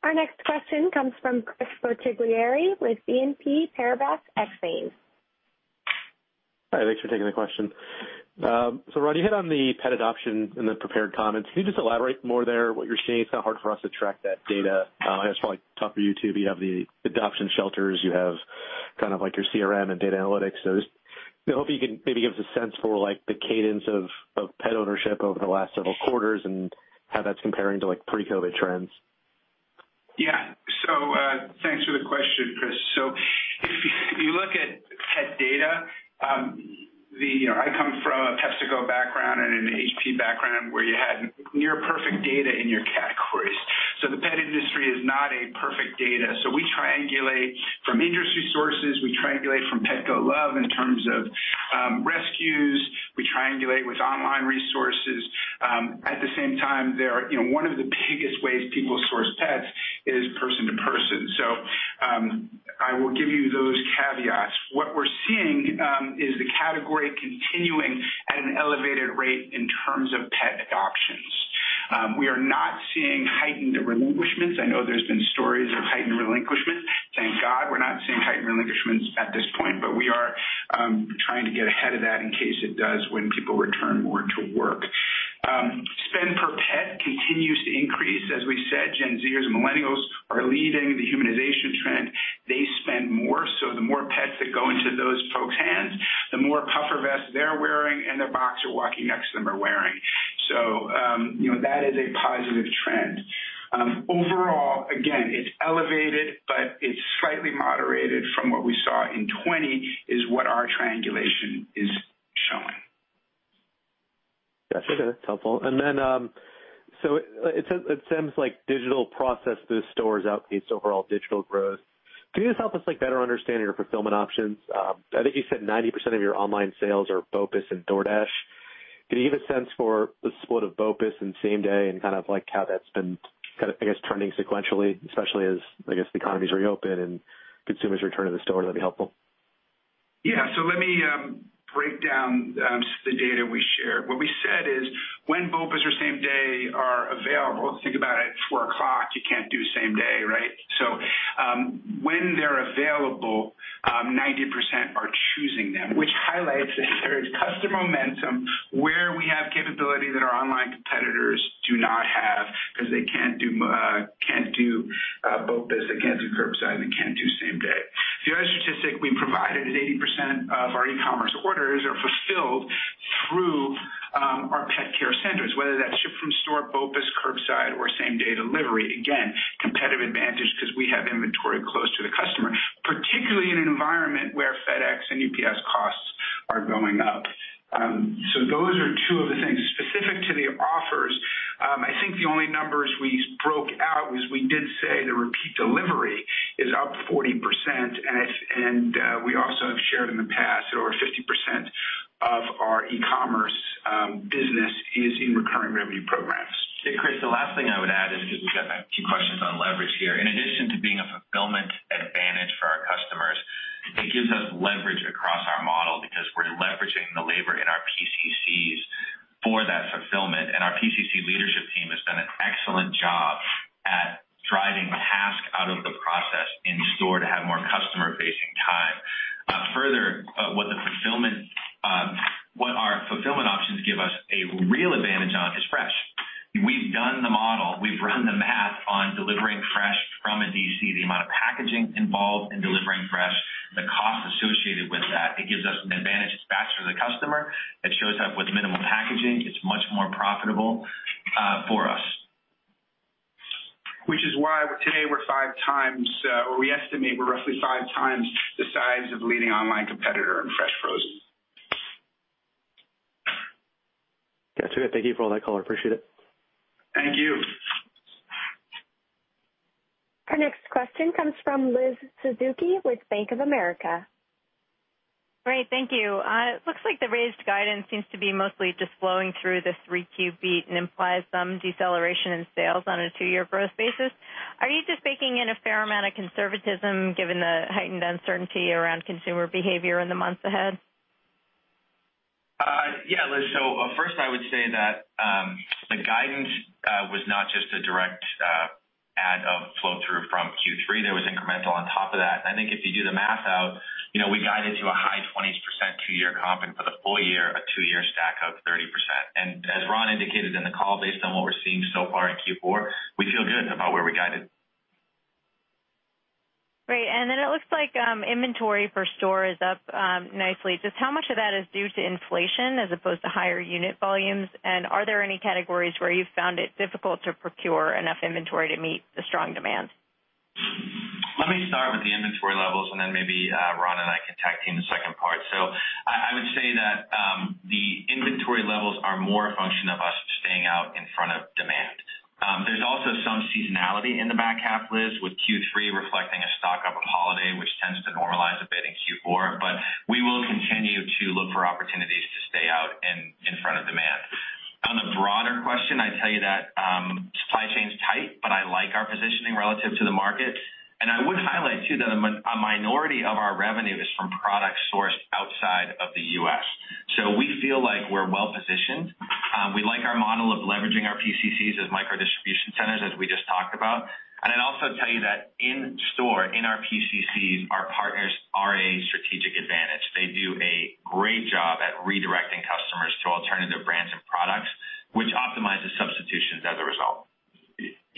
Our next question comes from Chris Bottiglieri with BNP Paribas Exane. Hi, thanks for taking the question. Ron, you hit on the pet adoption in the prepared comments. Can you just elaborate more there what you're seeing? It's kind of hard for us to track that data. I know it's probably tougher for you, too, but you have the adoption shelters, you have kind of like your CRM and data analytics. Just, you know, hope you can maybe give us a sense for like the cadence of pet ownership over the last several quarters and how that's comparing to like pre-COVID trends. Yeah. Thanks for the question. You look at pet data. You know, I come from a Petco background and an HP background where you had near perfect data in your categories. The pet industry is not a perfect data. We triangulate from industry sources, we triangulate from Petco Love in terms of rescues. We triangulate with online resources. At the same time, there are. You know, one of the biggest ways people source pets is person to person. I will give you those caveats. What we're seeing is the category continuing at an elevated rate in terms of pet adoptions. We are not seeing heightened relinquishments. I know there's been stories of heightened relinquishment. Thank God we're not seeing heightened relinquishments at this point, but we are trying to get ahead of that in case it does when people return more to work. Spend per pet continues to increase. As we said, Gen Zers and Millennials are leading the humanization trend. They spend more, so the more pets that go into those folks' hands, the more puffer vests they're wearing and their boxer walking next to them are wearing. You know, that is a positive trend. Overall, again, it's elevated, but it's slightly moderated from what we saw in 2020, is what our triangulation is showing. Got you. That's helpful. It sounds like digital purchases through stores outpaced overall digital growth. Can you just help us, like, better understand your fulfillment options? I think you said 90% of your online sales are BOPUS and DoorDash. Can you give a sense for the split of BOPUS and same day and kind of like how that's been kind of, I guess, trending sequentially, especially as, I guess, the economy's reopened and consumers return to the store? That'd be helpful. Yeah. Let me break down the data we share. What we said is when BOPUS or same day are available, think about it, four o'clock, you can't do same day, right? When they're available, 90% are choosing them, which highlights that there is customer momentum where we have capability that our online competitors do not have because they can't do BOPUS, they can't do curbside, they can't do same day. The other statistic we provided is 80% of our e-commerce orders are fulfilled through our pet care centers, whether that's ship from store, BOPUS, curbside, or same day delivery. Again, competitive advantage because we have inventory close to the customer, particularly in an environment where FedEx and UPS costs are going up. Those are two of the things specific to the offers. I think the only numbers we broke out was we did say the repeat delivery is up 40%. We also have shared in the past that over 50% of our e-commerce business is in recurring revenue programs. Hey, Chris, the last thing I would add is because we've got a few questions on leverage here. In addition to being a fulfillment advantage for our customers, it gives us leverage across our model because we're leveraging the labor in our PCCs for that fulfillment. Our PCC leadership team has done an excellent job at driving task out of the process in store to have more customer facing time. Further, what our fulfillment options give us a real advantage on is fresh. We've done the model, we've run the math on delivering fresh from a DC. The amount of packaging involved in delivering fresh, the cost associated with that, it gives us an advantage. It's faster to the customer. It shows up with minimal packaging. It's much more profitable for us. Which is why today we're 5x, or we estimate we're roughly 5x the size of leading online competitor in fresh frozen. Got you, and thank you for all that color. Appreciate it. Thank you. Our next question comes from Elizabeth Suzuki with Bank of America. Great. Thank you. It looks like the raised guidance seems to be mostly just flowing through the 3Q beat and implies some deceleration in sales on a two-year growth basis. Are you just baking in a fair amount of conservatism given the heightened uncertainty around consumer behavior in the months ahead? Yeah, Liz. First, I would say that the guidance was not just a direct add of flow through from Q3. There was incremental on top of that. I think if you do the math out, you know, we guided to a high 20% two-year comp, and for the full year, a two-year stack of 30%. As Ron indicated in the call, based on what we're seeing so far in Q4, we feel good about where we guided. Great. It looks like inventory per store is up nicely. Just how much of that is due to inflation as opposed to higher unit volumes? Are there any categories where you've found it difficult to procure enough inventory to meet the strong demand? Let me start with the inventory levels, and then maybe Ron and I can tag team the second part. I would say that the inventory levels are more a function of us staying out in front of demand. There's also some seasonality in the back half, Liz, with Q3 reflecting a stock up of holiday, which tends to normalize a bit in Q4. We will continue to look for opportunities to stay out in front of demand. On the broader question, I'd tell you that supply chain's tight, but I like our positioning relative to the market. I would highlight, too, that a minority of our revenue is from products sourced outside of the U.S. We feel like we're well positioned. We like our model of leveraging our PCCs as micro distribution centers, as we just talked about. I'd also tell you that in store, in our PCCs, our partners are a strategic advantage. They do a great job at redirecting customers to alternative brands and products, which optimizes substitutions as a result.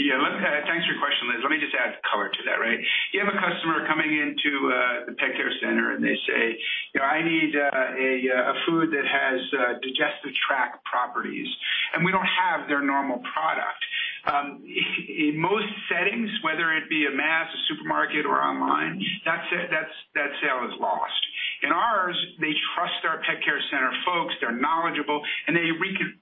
Yeah. Thanks for your question, Liz. Let me just add color to that, right? You have a customer coming into the Pet Care Center and they say, you know, I need a food that has digestive tract properties, and we don't have their normal product. In most settings, whether it be a mass, a supermarket or online, that's it. That sale is lost. In ours, they trust our Pet Care Center folks, they're knowledgeable, and they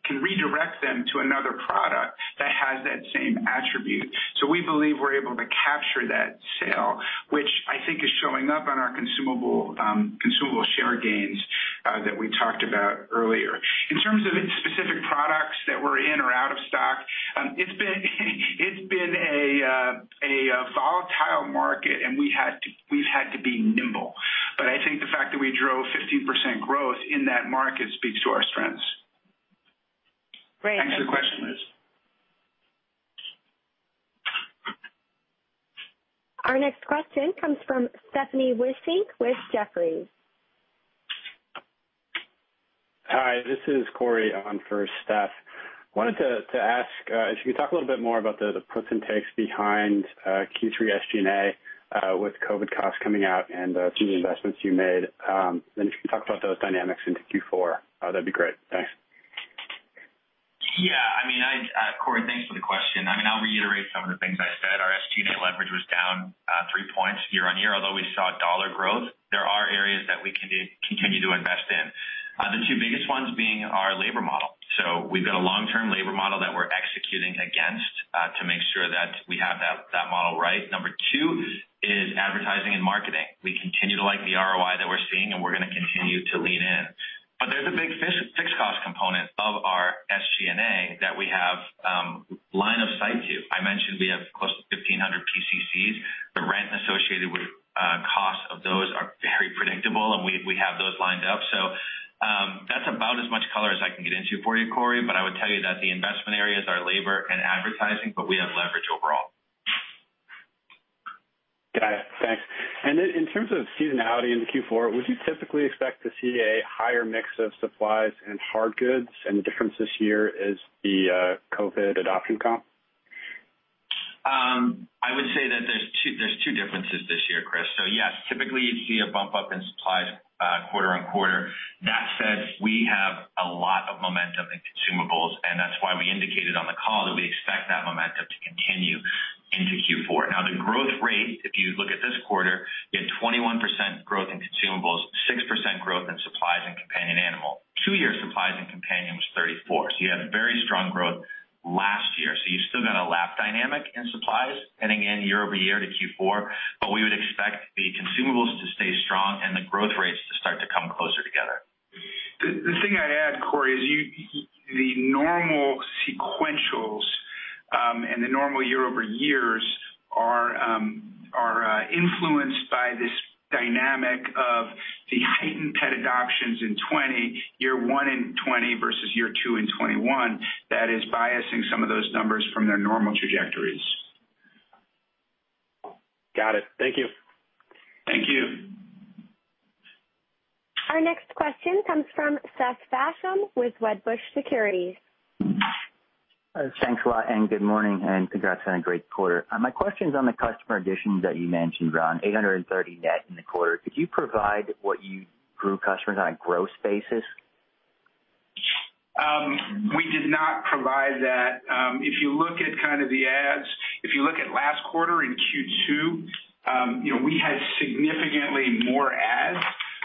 can redirect them to another product that has that same attribute. We believe we're able to capture that sale, which I think is showing up in our consumable share gains that we talked about earlier. In terms of specific products that were in or out of stock, it's been a volatile market, and we've had to be nimble. I think the fact that we drove 15% growth in that market speaks to our strengths. Great. Thanks for the question, Liz. Our next question comes from Stephanie Wissink with Jefferies. Hi, this is Corey on for Steph. Wanted to ask if you could talk a little bit more about the puts and takes behind Q3 SG&A with COVID costs coming out and some of the investments you made, then if you can talk about those dynamics into Q4, that'd be great. Thanks. Corey, thanks for the question. I mean, I'll reiterate some of the things I said. Our SG&A leverage was down three points year-on-year. Although we saw dollar growth, there are areas that we can continue to invest in, the two biggest ones being our labor model. We've got a long-term labor model that we're executing against to make sure that we have that model right. Number two is advertising and marketing. We continue to like the ROI that we're seeing, and we're gonna continue to lean in. There's a big fixed cost component of our SG&A that we have line of sight to. I mentioned we have close to 1,500 PCCs. The rent associated with costs of those are very predictable, and we have those lined up. That's about as much color as I can get into for you, Corey, but I would tell you that the investment areas are labor and advertising, but we have leverage overall. Got it. Thanks. In terms of seasonality into Q4, would you typically expect to see a higher mix of supplies and hard goods and difference this year as the COVID adoption comp? I would say that there's two differences this year, Chris. Yes, typically you see a bump up in supplies quarter-on-quarter. That said, we have a lot of momentum in consumables, and that's why we indicated on the call that we expect that momentum to continue into Q4. Now the growth rate, if you look at this quarter, you had 21% growth in consumables, 6% growth in supplies and companion animal. Two-year supplies and companion was 34, so you had very strong growth last year. You've still got a lap dynamic in supplies heading in year-over-year to Q4, but we would expect the consumables to stay strong and the growth rates to start to come closer together. The thing I add, Corey, is the normal sequentials and the normal year-over-year are influenced by this dynamic of the heightened pet adoptions in 2020, year one in 2020 versus year two in 2021, that is biasing some of those numbers from their normal trajectories. Got it. Thank you. Thank you. Our next question comes from Seth Basham with Wedbush Securities. Thanks a lot and good morning, and congrats on a great quarter. My question's on the customer additions that you mentioned, Ron, 830 net in the quarter. Could you provide what you grew customers on a gross basis? We did not provide that. If you look at kind of the adds, if you look at last quarter in Q2, you know, we had significantly more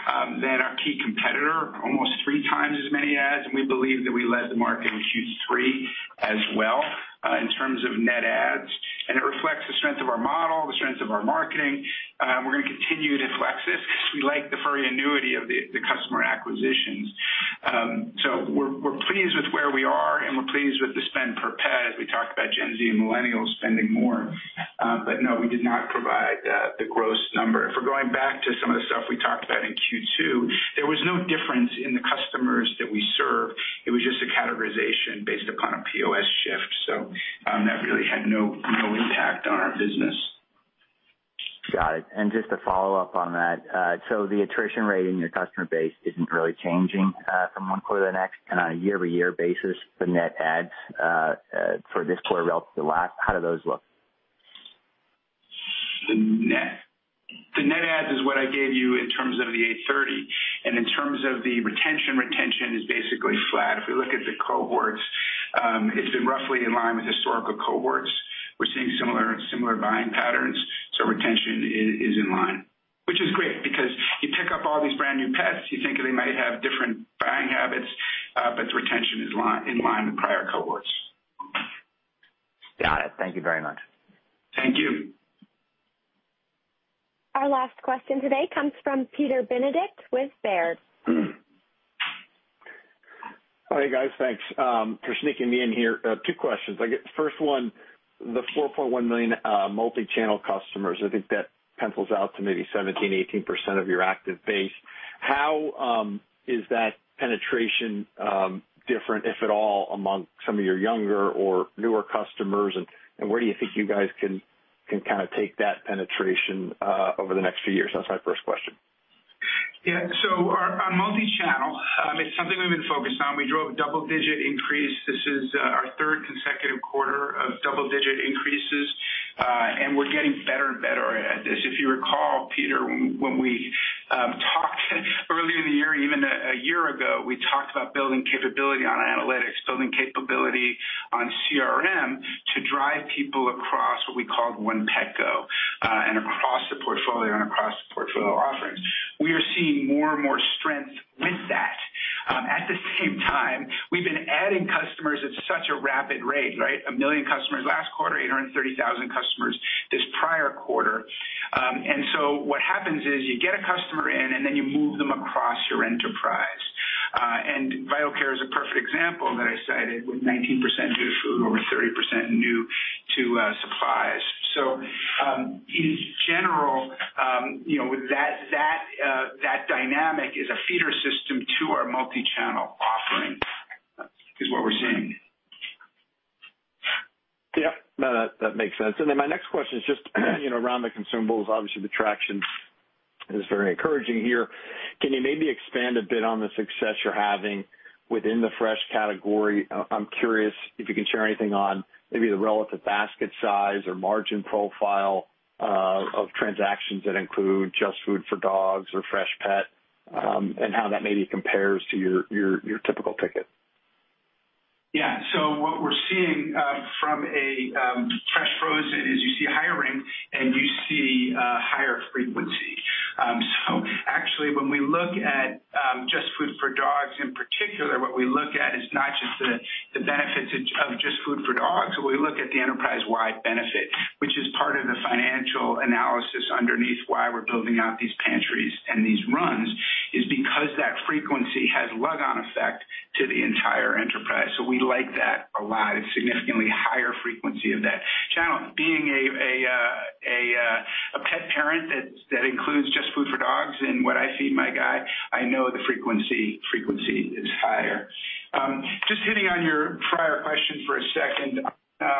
adds than our key competitor, almost 3x as many adds, and we believe that we led the market in Q3 as well in terms of net adds. It reflects the strength of our model, the strength of our marketing. We're gonna continue to flex this because we like the recurring annuity of the customer acquisitions. We're pleased with where we are, and we're pleased with the spend per pet. We talked about Gen Z and millennials spending more. No, we did not provide the gross number. If we're going back to some of the stuff we talked about in Q2, there was no difference in the customers that we serve. It was just a categorization based upon a POS shift. That really had no impact on our business. Got it. Just to follow up on that. The attrition rate in your customer base isn't really changing from one quarter to the next. On a year-over-year basis, the net adds for this quarter relative to last, how do those look? The net adds is what I gave you in terms of the 8:30. In terms of retention, it is basically flat. If we look at the cohorts, it's been roughly in line with historical cohorts. We're seeing similar buying patterns, so retention is in line, which is great because you pick up all these brand new pets, you think they might have different buying habits, but the retention is in line with prior cohorts. Got it. Thank you very much. Thank you. Our last question today comes from Peter Benedict with Baird. Hi, guys. Thanks for sneaking me in here. Two questions. I guess first one, the 4.1 million multi-channel customers, I think that pencils out to maybe 17%-18% of your active base. How is that penetration different, if at all, among some of your younger or newer customers? Where do you think you guys can kinda take that penetration over the next few years? That's my first question. Our multi-channel. It's something we've been focused on. We drove double-digit increase. This is our third consecutive quarter of double-digit increases, and we're getting better and better at this. If you recall, Peter, when we talked earlier in the year, even a year ago, we talked about building capability on analytics, building capability on CRM to drive people across what we called One Petco, and across the portfolio and across the portfolio offerings. We are seeing more and more strength with that. At the same time, we've been adding customers at such a rapid rate, right? 1 million customers last quarter, 830,000 customers this prior quarter. What happens is you get a customer in, and then you move them across your enterprise. Vital Care is a perfect example that I cited, with 19% new food, over 30% new to supplies. In general, you know, with that dynamic is a feeder system to our multichannel offering is what we're seeing. Yeah. No, that makes sense. My next question is just, you know, around the consumables. Obviously, the traction is very encouraging here. Can you maybe expand a bit on the success you're having within the fresh category? I'm curious if you can share anything on maybe the relative basket size or margin profile of transactions that include JustFoodForDogs or Freshpet, and how that maybe compares to your typical ticket. Yeah. What we're seeing from a fresh frozen is you see higher ring and you see higher frequency. Actually when we look at JustFoodForDogs in particular, what we look at is not just the benefits of JustFoodForDogs, but we look at the enterprise-wide benefit, which is part of the financial analysis underneath why we're building out these pantries and these runs, is because that frequency has halo effect to the entire enterprise. We like that a lot. It's significantly higher frequency of that channel. Being a pet parent that includes JustFoodForDogs and what I feed my guy, I know the frequency is higher. Just hitting on your prior question for a second. The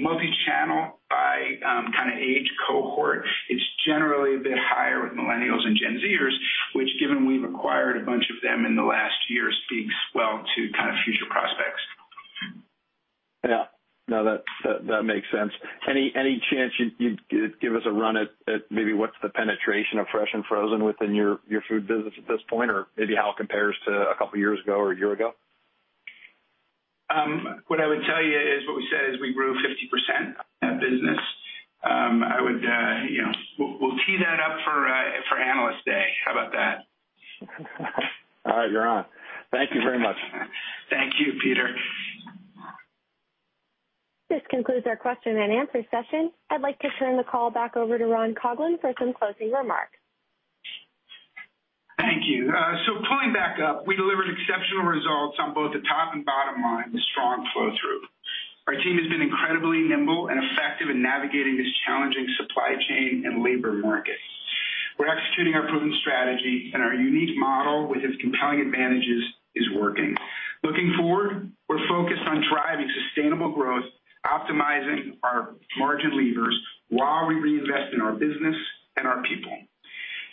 multichannel by kinda age cohort, it's generally a bit higher with millennials and Gen Z-ers, which given we've acquired a bunch of them in the last year, speaks well to kind of future prospects. Yeah. No, that makes sense. Any chance you'd give us a run at maybe what's the penetration of fresh and frozen within your food business at this point? Or maybe how it compares to a couple years ago or a year ago? What I would tell you is what we said is we grew 50% that business. I would, you know. We'll tee that up for Analyst Day. How about that? All right, you're on. Thank you very much. Thank you, Peter. This concludes our question and answer session. I'd like to turn the call back over to Ron Coughlin for some closing remarks. Thank you. Pulling back up, we delivered exceptional results on both the top and bottom line with strong flow-through. Our team has been incredibly nimble and effective in navigating this challenging supply chain and labor market. We're executing our proven strategy, and our unique model with its compelling advantages is working. Looking forward, we're focused on driving sustainable growth, optimizing our margin levers while we reinvest in our business and our people.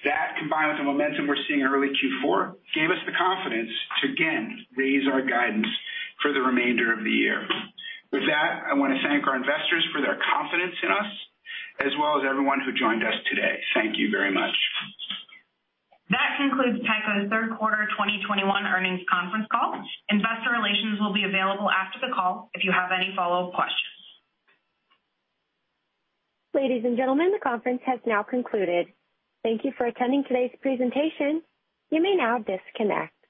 That, combined with the momentum we're seeing in early Q4, gave us the confidence to again raise our guidance for the remainder of the year. With that, I wanna thank our investors for their confidence in us, as well as everyone who joined us today. Thank you very much. That concludes Petco's Third Quarter 2021 Earnings Conference Call. Investor relations will be available after the call if you have any follow-up questions. Ladies and gentlemen, the conference has now concluded. Thank you for attending today's presentation. You may now disconnect.